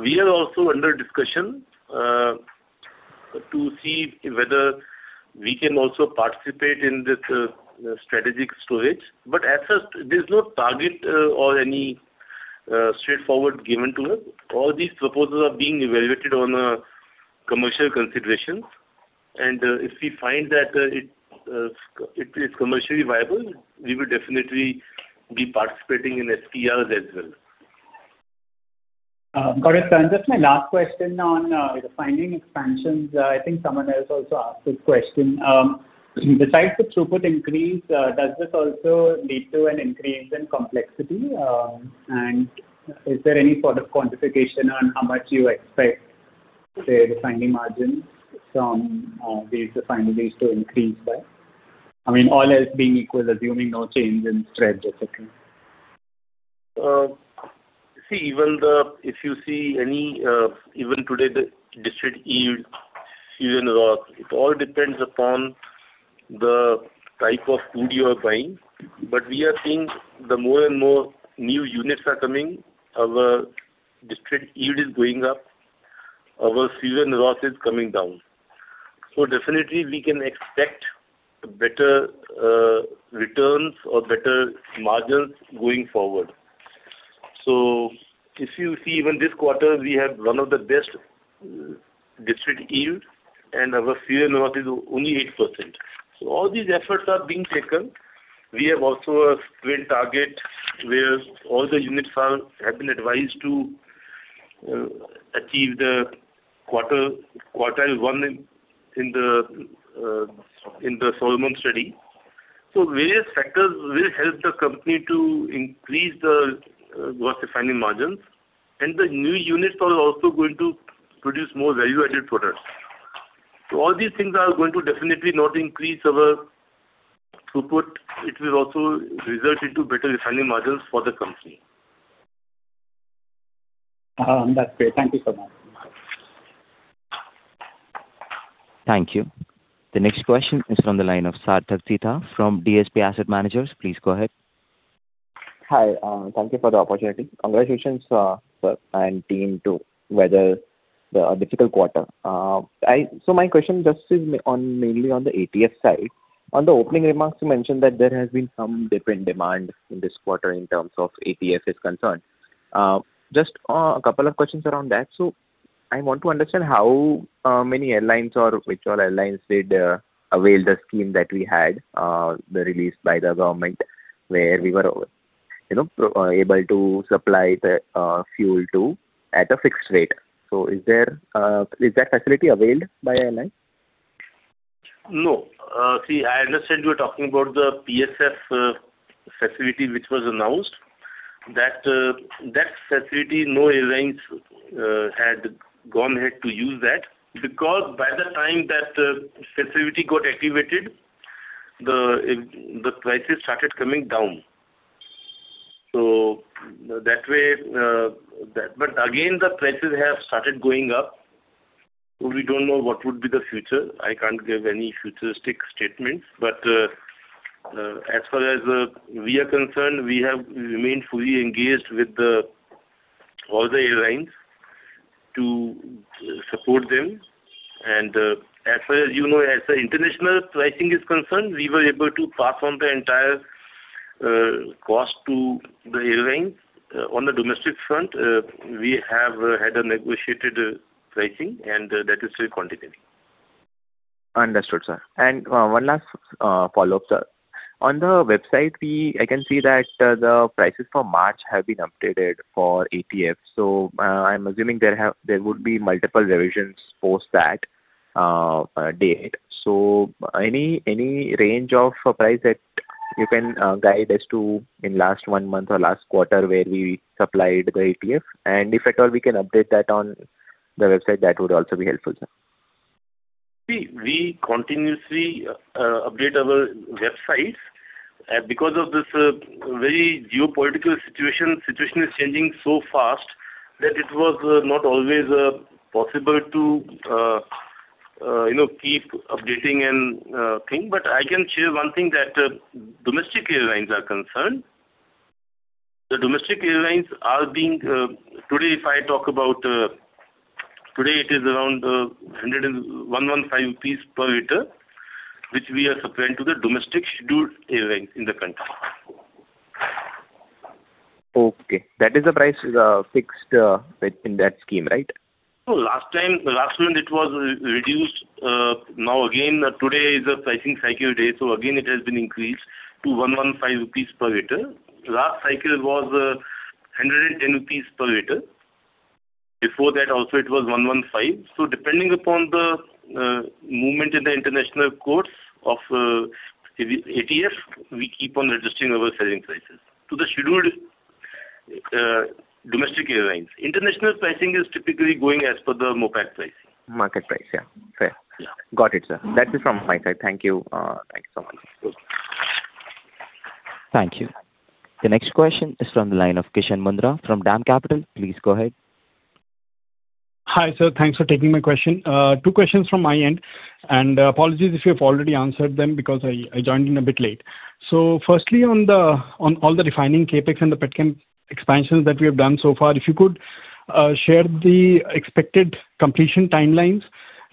We are also under discussion to see whether we can also participate in this strategic storage, but as such, there's no target or anything straightforward given to us. All these proposals are being evaluated on commercial considerations, and if we find that it is commercially viable, we will definitely be participating in SPRs as well.
Got it. Just my last question on refining expansions. I think someone else also asked this question. Besides the throughput increase, does this also lead to an increase in complexity? Is there any sort of quantification on how much you expect, say, the refining margins from these refineries to increase by? All else being equal, assuming no change in spreads, et cetera.
If you see any, even today, the distillate yield, processing loss, it all depends upon the type of crude you are buying. We are seeing the more and more new units are coming, our distillate yield is going up, and our processing loss is coming down. Definitely we can expect better returns or better margins going forward. If you see, even this quarter, we had one of the best distillate yield and our processing loss is only 8%. All these efforts are being taken. We also have a twin target where all the units have been advised to achieve the quartile one in the 12-month study. Various factors will help the company to increase the refining margins, and the new units are also going to produce more value-added products. All these things are going to definitely not increase our throughput. It will also result into better refining margins for the company.
That's great. Thank you so much.
Thank you. The next question is from the line of Sarthak Tita from DSP Asset Managers. Please go ahead.
Hi. Thank you for the opportunity. Congratulations, sir and team, to weather the difficult quarter. My question is just mainly on the ATF side. On the opening remarks, you mentioned that there has been some different demand in this quarter in terms of ATF being concerned. Just a couple of questions around that. I want to understand how many airlines or which all airlines did avail the scheme that we had, the release by the government where we were able to supply the fuel at a fixed rate. Is that facility availed by airlines?
No. See, I understand you're talking about the PSF facility, which was announced. That facility—no airlines had gone ahead to use that because by the time that facility got activated, the prices started coming down. Again, the prices have started going up. We don't know what would be the future. I can't give any futuristic statements. As far as we are concerned, we have remained fully engaged with all the airlines to support them. As far as the international pricing is concerned, we were able to pass on the entire cost to the airlines. On the domestic front, we have had a negotiated pricing, and that is still continuing.
Understood, sir. One last follow-up, sir. On the website, I can see that the prices for March have been updated for ATF. I'm assuming there would be multiple revisions post that date. Any range of price that you can guide us to in the last month or last quarter where we supplied the ATF, and if at all we can update that on the website, that would also be helpful, sir.
We continuously update our websites. Because of this, the very geopolitical situation is changing so fast that it was not always possible to keep updating and thinking. I can share one thing that domestic airlines are concerned about. The domestic airlines. Today, it is around 115 rupees per liter, which we are supplying to the domestic scheduled airlines in the country.
Okay. That is the price fixed in that scheme, right?
No. Last month it was reduced. Now again, today is a pricing cycle day; again, it has been increased to 115 rupees per liter. The last cycle was 110 rupees per liter. Before that also, it was 115. Depending upon the movement in the international course of ATF, we keep on registering our selling prices to the scheduled domestic airlines. International pricing is typically going as per the market price.
Market price, yeah. Fair.
Yeah.
Got it, sir. That is from my side. Thank you. Thanks so much.
Sure.
Thank you. The next question is from the line of Kishan Mundhra from DAM Capital. Please go ahead.
Hi, sir. Thanks for taking my question. Two questions from my end, and apologies if you've already answered them because I joined in a bit late. Firstly, on all the refining CapEx and the petchem expansions that we have done so far, if you could share the expected completion timelines,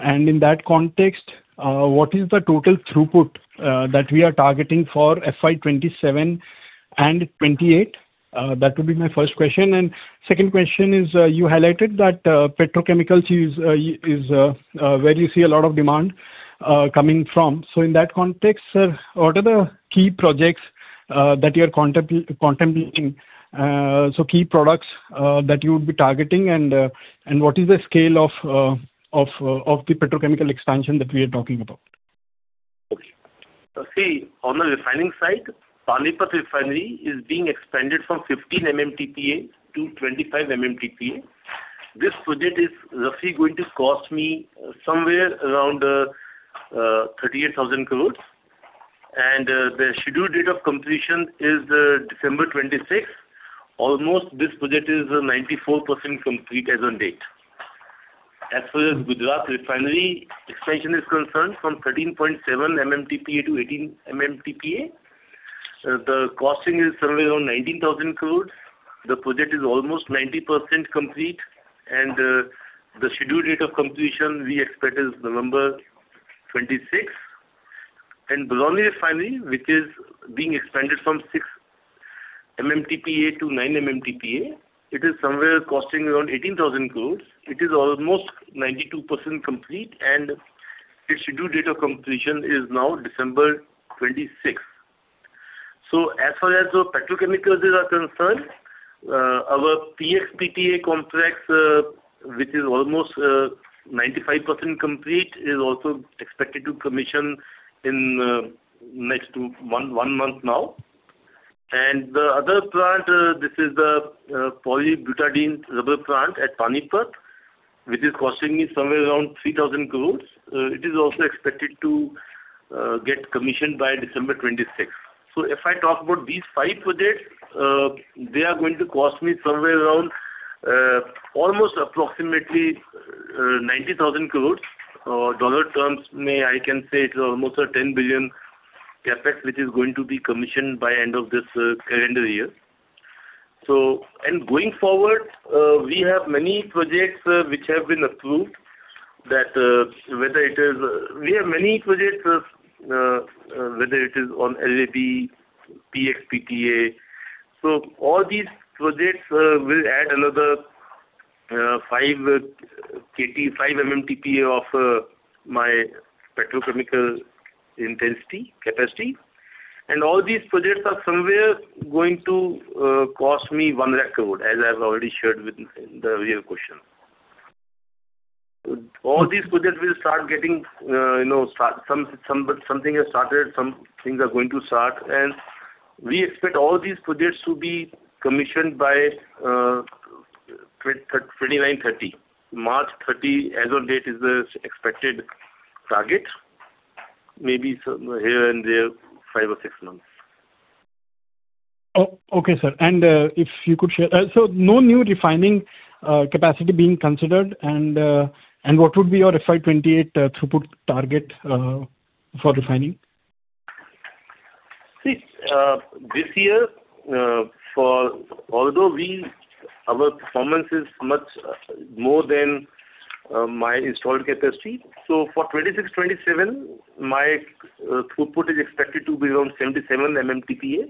and in that context, what is the total throughput that we are targeting for FY 2027 and 2028? That would be my first question. Second question is, you highlighted that petrochemical is where you see a lot of demand coming from. In that context, sir, what are the key projects that you're contemplating? Key products that you would be targeting, and what is the scale of the petrochemical expansion that we are talking about?
Okay. See, on the refining side, Panipat Refinery is being expanded from 15 MMTPA to 25 MMTPA. This project is roughly going to cost me somewhere around 38,000 crores, and the scheduled date of completion is December 2026. Almost this project is 94% complete as on date. As far as Gujarat Refinery expansion is concerned, from 13.7 MMTPA to 18 MMTPA, the cost is somewhere around 19,000 crores. The project is almost 90% complete, and the scheduled date of completion we expect is November 2026. Barauni Refinery, which is being expanded from 6 MMTPA to 9 MMTPA, is somewhere around 18,000 crores. It is almost 92% complete, and its scheduled date of completion is now December 2026. As far as our petrochemicals are concerned, our PX-PTA contract, which is almost 95% complete, is also expected to commission in next to one month now. The other plant, this is the polybutadiene rubber plant at Panipat, which is costing me somewhere around 3,000 crores. It is also expected to get commissioned by December 2026. If I talk about these five projects, they are going to cost me somewhere around almost approximately 90,000 crores, or dollar terms, I can say it is almost a $10 billion CapEx, which is going to be commissioned by end of this calendar year. Going forward, we have many projects that have been approved. We have many projects, whether they are on LAB, PSF, or PTA. All these projects will add another 5 MMTPA of my petrochemical intensity capacity. All these projects are somewhere going to cost me 1 lakh crore, as I've already shared with you in the earlier question. All these projects, something has started, some things are going to start, and we expect all these projects to be commissioned by 2029, 2030. March 2030 as of date is the expected target, maybe some here and there, five or six months.
Okay, sir. No new refining capacity being considered, what would be your FY 2028 throughput target for refining?
See, this year, although our performance is much more than my installed capacity. For 2026/2027, my throughput is expected to be around 77 MMTPA,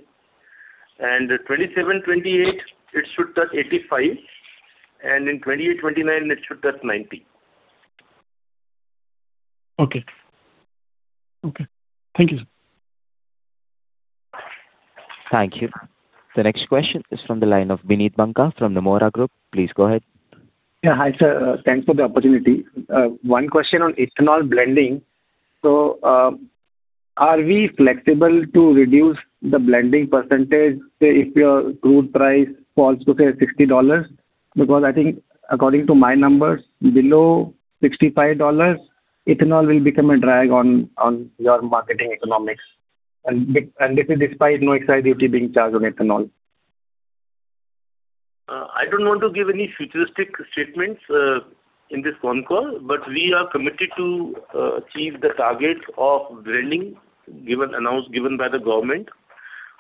2027/2028, it should touch 85, and in 2028/2029, it should touch 90.
Okay. Thank you, sir.
Thank you. The next question is from the line of Bineet Banka from Nomura Group. Please go ahead.
Hi, sir. Thanks for the opportunity. One question on ethanol blending. Are we flexible to reduce the blending percentage, say, if your crude price falls to, say, $60? Because I think, according to my numbers, below $65, ethanol will become a drag on your marketing economics. This is despite no excise duty being charged on ethanol.
I don't want to give any futuristic statements in this con-call, but we are committed to achieving the target of blending, given, announced, and given by the government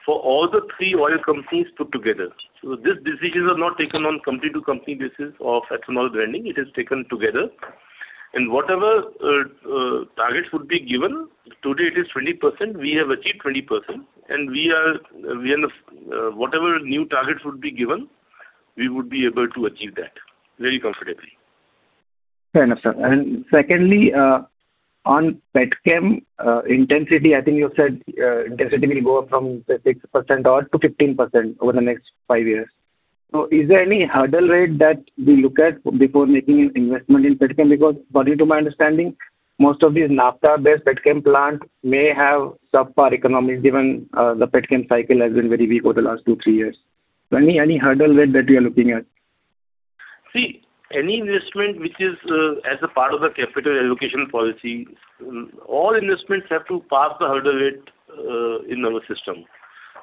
for all three oil companies put together. These decisions are not taken on a company-to-company basis of ethanol blending. It is taken together; whatever targets would be given, today it is 20%, and we have achieved 20%. Whatever new targets would be given, we would be able to achieve that very comfortably.
Fair enough, sir. Secondly, on petchem intensity, I think you said intensity will go up from 6% odd to 15% over the next five years. Is there any hurdle rate that we look at before making an investment in petchem? Because, according to my understanding, most of these naphtha-based petchem plants may have subpar economics, given the petchem cycle has been very weak over the last two or three years. Any hurdle rate that you are looking at?
Any investment that is a part of the capital allocation policy, all investments have to pass the hurdle rate in our system.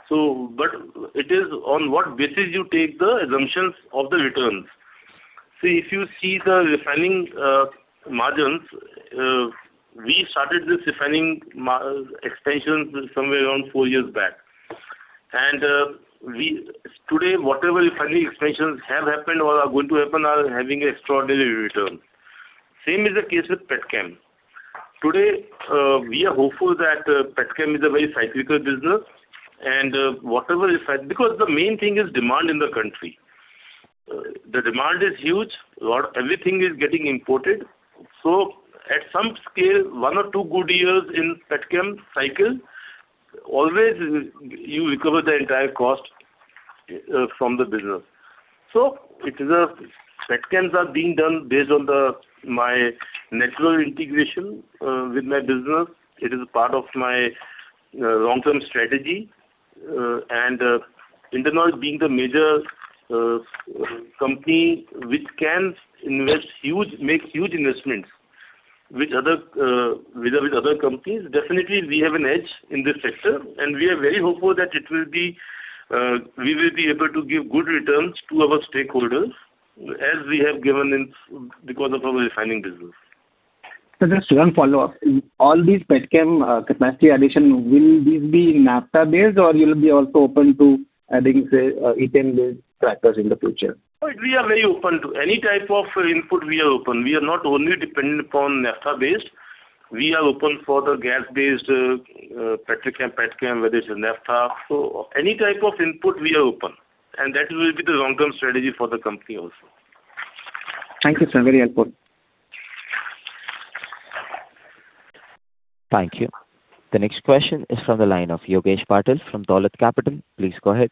It is on what basis you take the assumptions of the returns. If you see the refining margins, we started this refining expansion somewhere around four years back. Today, whatever refining expansions have happened or are going to happen are having extraordinary returns. The same is the case with petchem. Today, we are hopeful that petchem is a very cyclical business because the main thing is demand in the country. The demand is huge. Everything is getting imported. At some scale, one or two good years in the petchem cycle, you always recover the entire cost from the business. Petchems are being done based on my natural integration with my business. It is a part of my long-term strategy. Indian Oil being the major company that can make huge investments with other companies, we definitely have an edge in this sector, and we are very hopeful that we will be able to give good returns to our stakeholders, as we have given because of our refining business.
Sir, just one follow-up. All these petchem capacity additions will this be naphtha-based, or will you also be open to adding, say, ethane-based crackers in the future?
We are very open to any type of input. We are open. We are not only dependent upon naphtha-based. We are open for the gas-based petrochem, petchem, whether it's a naphtha. Any type of input, we are open, and that will be the long-term strategy for the company also.
Thank you, sir. Very helpful.
Thank you. The next question is from the line of Yogesh Patil from Dolat Capital. Please go ahead.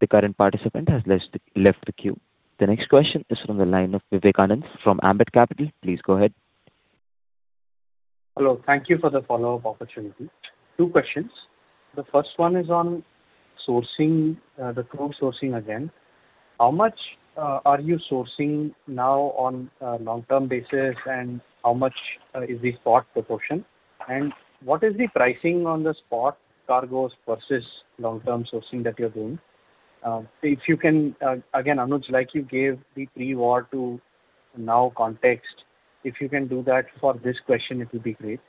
The current participant has left the queue. The next question is from the line of Vivek Subbaraman from Ambit Capital. Please go ahead.
Hello. Thank you for the follow-up opportunity. Two questions. The first one is on the crude sourcing again. How much are you sourcing now on a long-term basis, and how much is the spot proportion? What is the pricing on the spot cargos versus long-term sourcing that you're doing? Anuj, like you gave the pre-war to now context, if you can do that for this question, it will be great.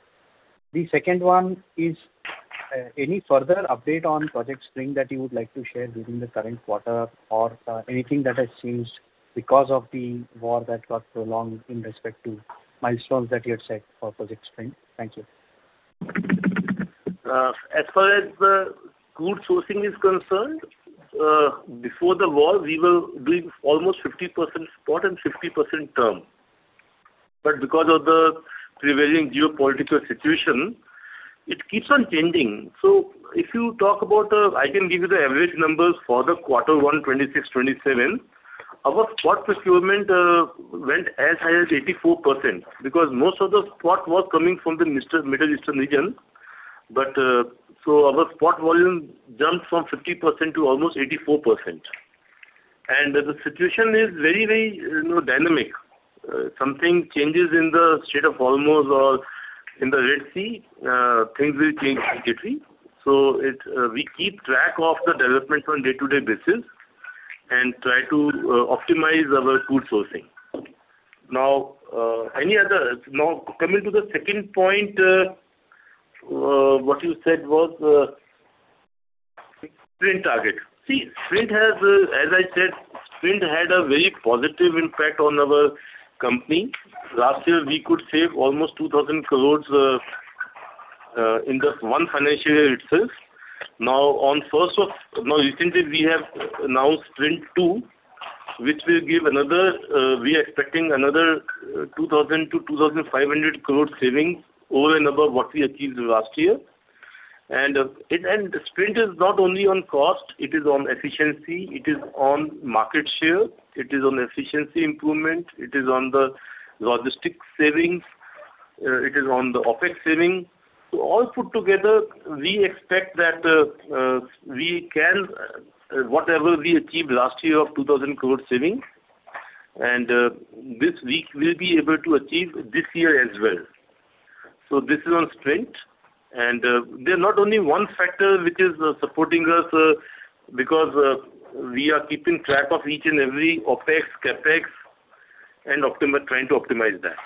The second one is, any further update on Project SPRINT that you would like to share during the current quarter or anything that has changed because of the war that got prolonged in respect to milestones that you had set for Project SPRINT? Thank you.
As far as the crude sourcing is concerned, before the war, we were doing almost 50% spot and 50% term. Because of the prevailing geopolitical situation, it keeps on changing. If you talk about it, I can give you the average numbers for quarter one 26/27. Our spot procurement went as high as 84%, because most of the spot was coming from the Middle Eastern region. Our spot volume jumped from 50% to almost 84%. The situation is very dynamic. Something changes in the Strait of Hormuz or in the Red Sea, and things will change immediately. We keep track of the developments on a day-to-day basis and try to optimize our crude sourcing. Coming to the second point, what you said was, SPRINT target. See, as I said, SPRINT had a very positive impact on our company. Last year, we could have saved almost 2,000 crore in just one financial year itself. Recently we have now SPRINT two; we are expecting another 2,000 crore-2,500 crore savings over and above what we achieved last year. SPRINT is not only on cost, it is on efficiency, it is on market share, it is on efficiency improvement, it is on the logistics savings, and it is on the OpEx savings. All put together, we expect that whatever we achieved last year of 2,000 crore savings, and this week we'll be able to achieve this year as well. This is on SPRINT. There's not only one factor that is supporting us, because we are keeping track of each and every OpEx and CapEx and trying to optimize that.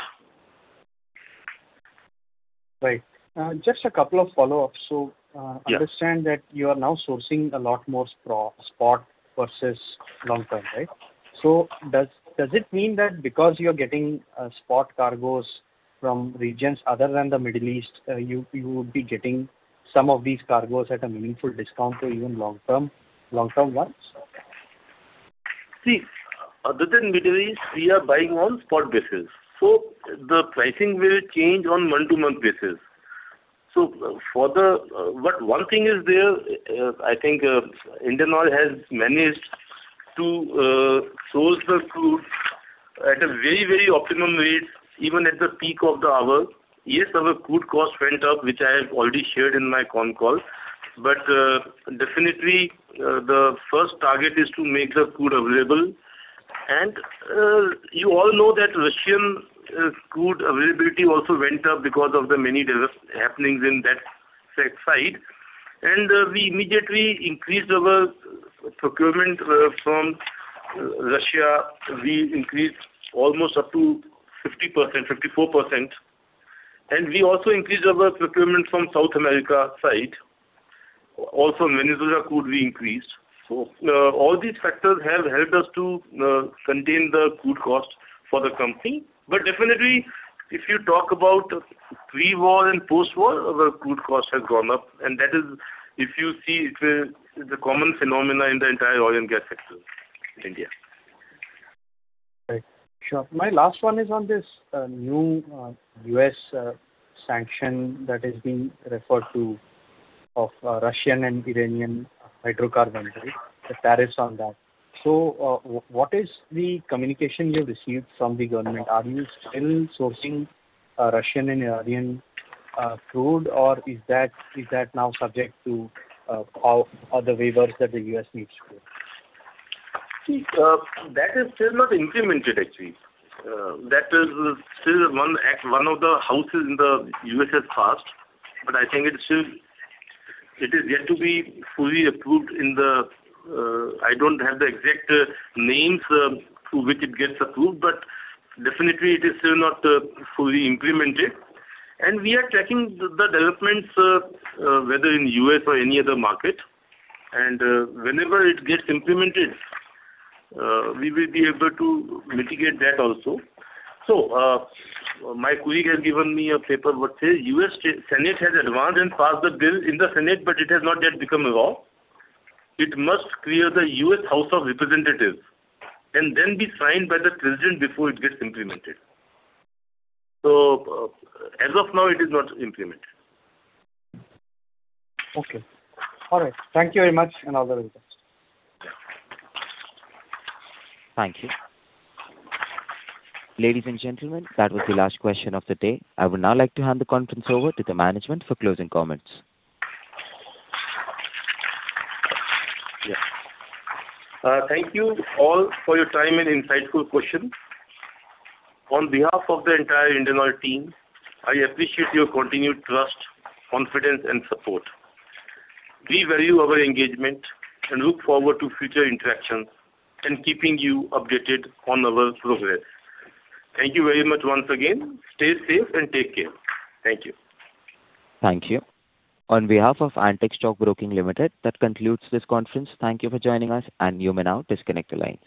Right. Just a couple of follow-ups.
Yeah.
I understand that you are now sourcing a lot more spot versus long-term, right? Does it mean that because you're getting spot cargos from regions other than the Middle East, you would be getting some of these cargos at a meaningful discount to even long-term ones?
Other than the Middle East, we are buying on a spot basis. The pricing will change on a month-to-month basis. One thing is there, I think Indian Oil has managed to source the crude at a very optimum rate, even at the peak of the hour. Yes, our crude cost went up, which I have already shared in my con call. Definitely, the first target is to make the crude available. You all know that Russian crude availability also went up because of the many happenings on that side. We immediately increased our procurement from Russia. We increased almost up to 50%, 54%. We also increased our procurement from the South American side. Also, Venezuela crude we increased. All these factors have helped us to contain the crude cost for the company. Definitely, if you talk about pre-war and post-war, our crude cost has gone up. That is, if you see, it's a common phenomenon in the entire oil and gas sector in India.
Right. Sure. My last one is on this new U.S. sanction that is being referred to as the Russian and Iranian hydrocarbon, right? The tariffs on that. What is the communication you've received from the government? Are you still sourcing Russian and Iranian crude, or is that now subject to other waivers that the U.S. needs to do?
That is still not implemented, actually. That is still one of the houses in the U.S. that has passed, but I think it is yet to be fully approved. I don't have the exact names through which it gets approved, but definitely it is still not fully implemented. We are tracking the developments, whether in the U.S. or any other market. Whenever it gets implemented, we will be able to mitigate that also. My colleague has given me a paper what says, The U.S. Senate has advanced and passed the bill in the Senate, but it has not yet become a law. It must clear the U.S. House of Representatives and then be signed by the President before it gets implemented. As of now, it is not implemented.
Okay. All right. Thank you very much, and all the best.
Thank you. Ladies and gentlemen, that was the last question of the day. I would now like to hand the conference over to the management for closing comments.
Yeah. Thank you all for your time and insightful questions. On behalf of the entire Indian Oil team, I appreciate your continued trust, confidence, and support. We value our engagement and look forward to future interactions and keeping you updated on our progress. Thank you very much once again. Stay safe and take care. Thank you.
Thank you. On behalf of Antique Stock Broking Limited, that concludes this conference. Thank you for joining us, and you may now disconnect your lines.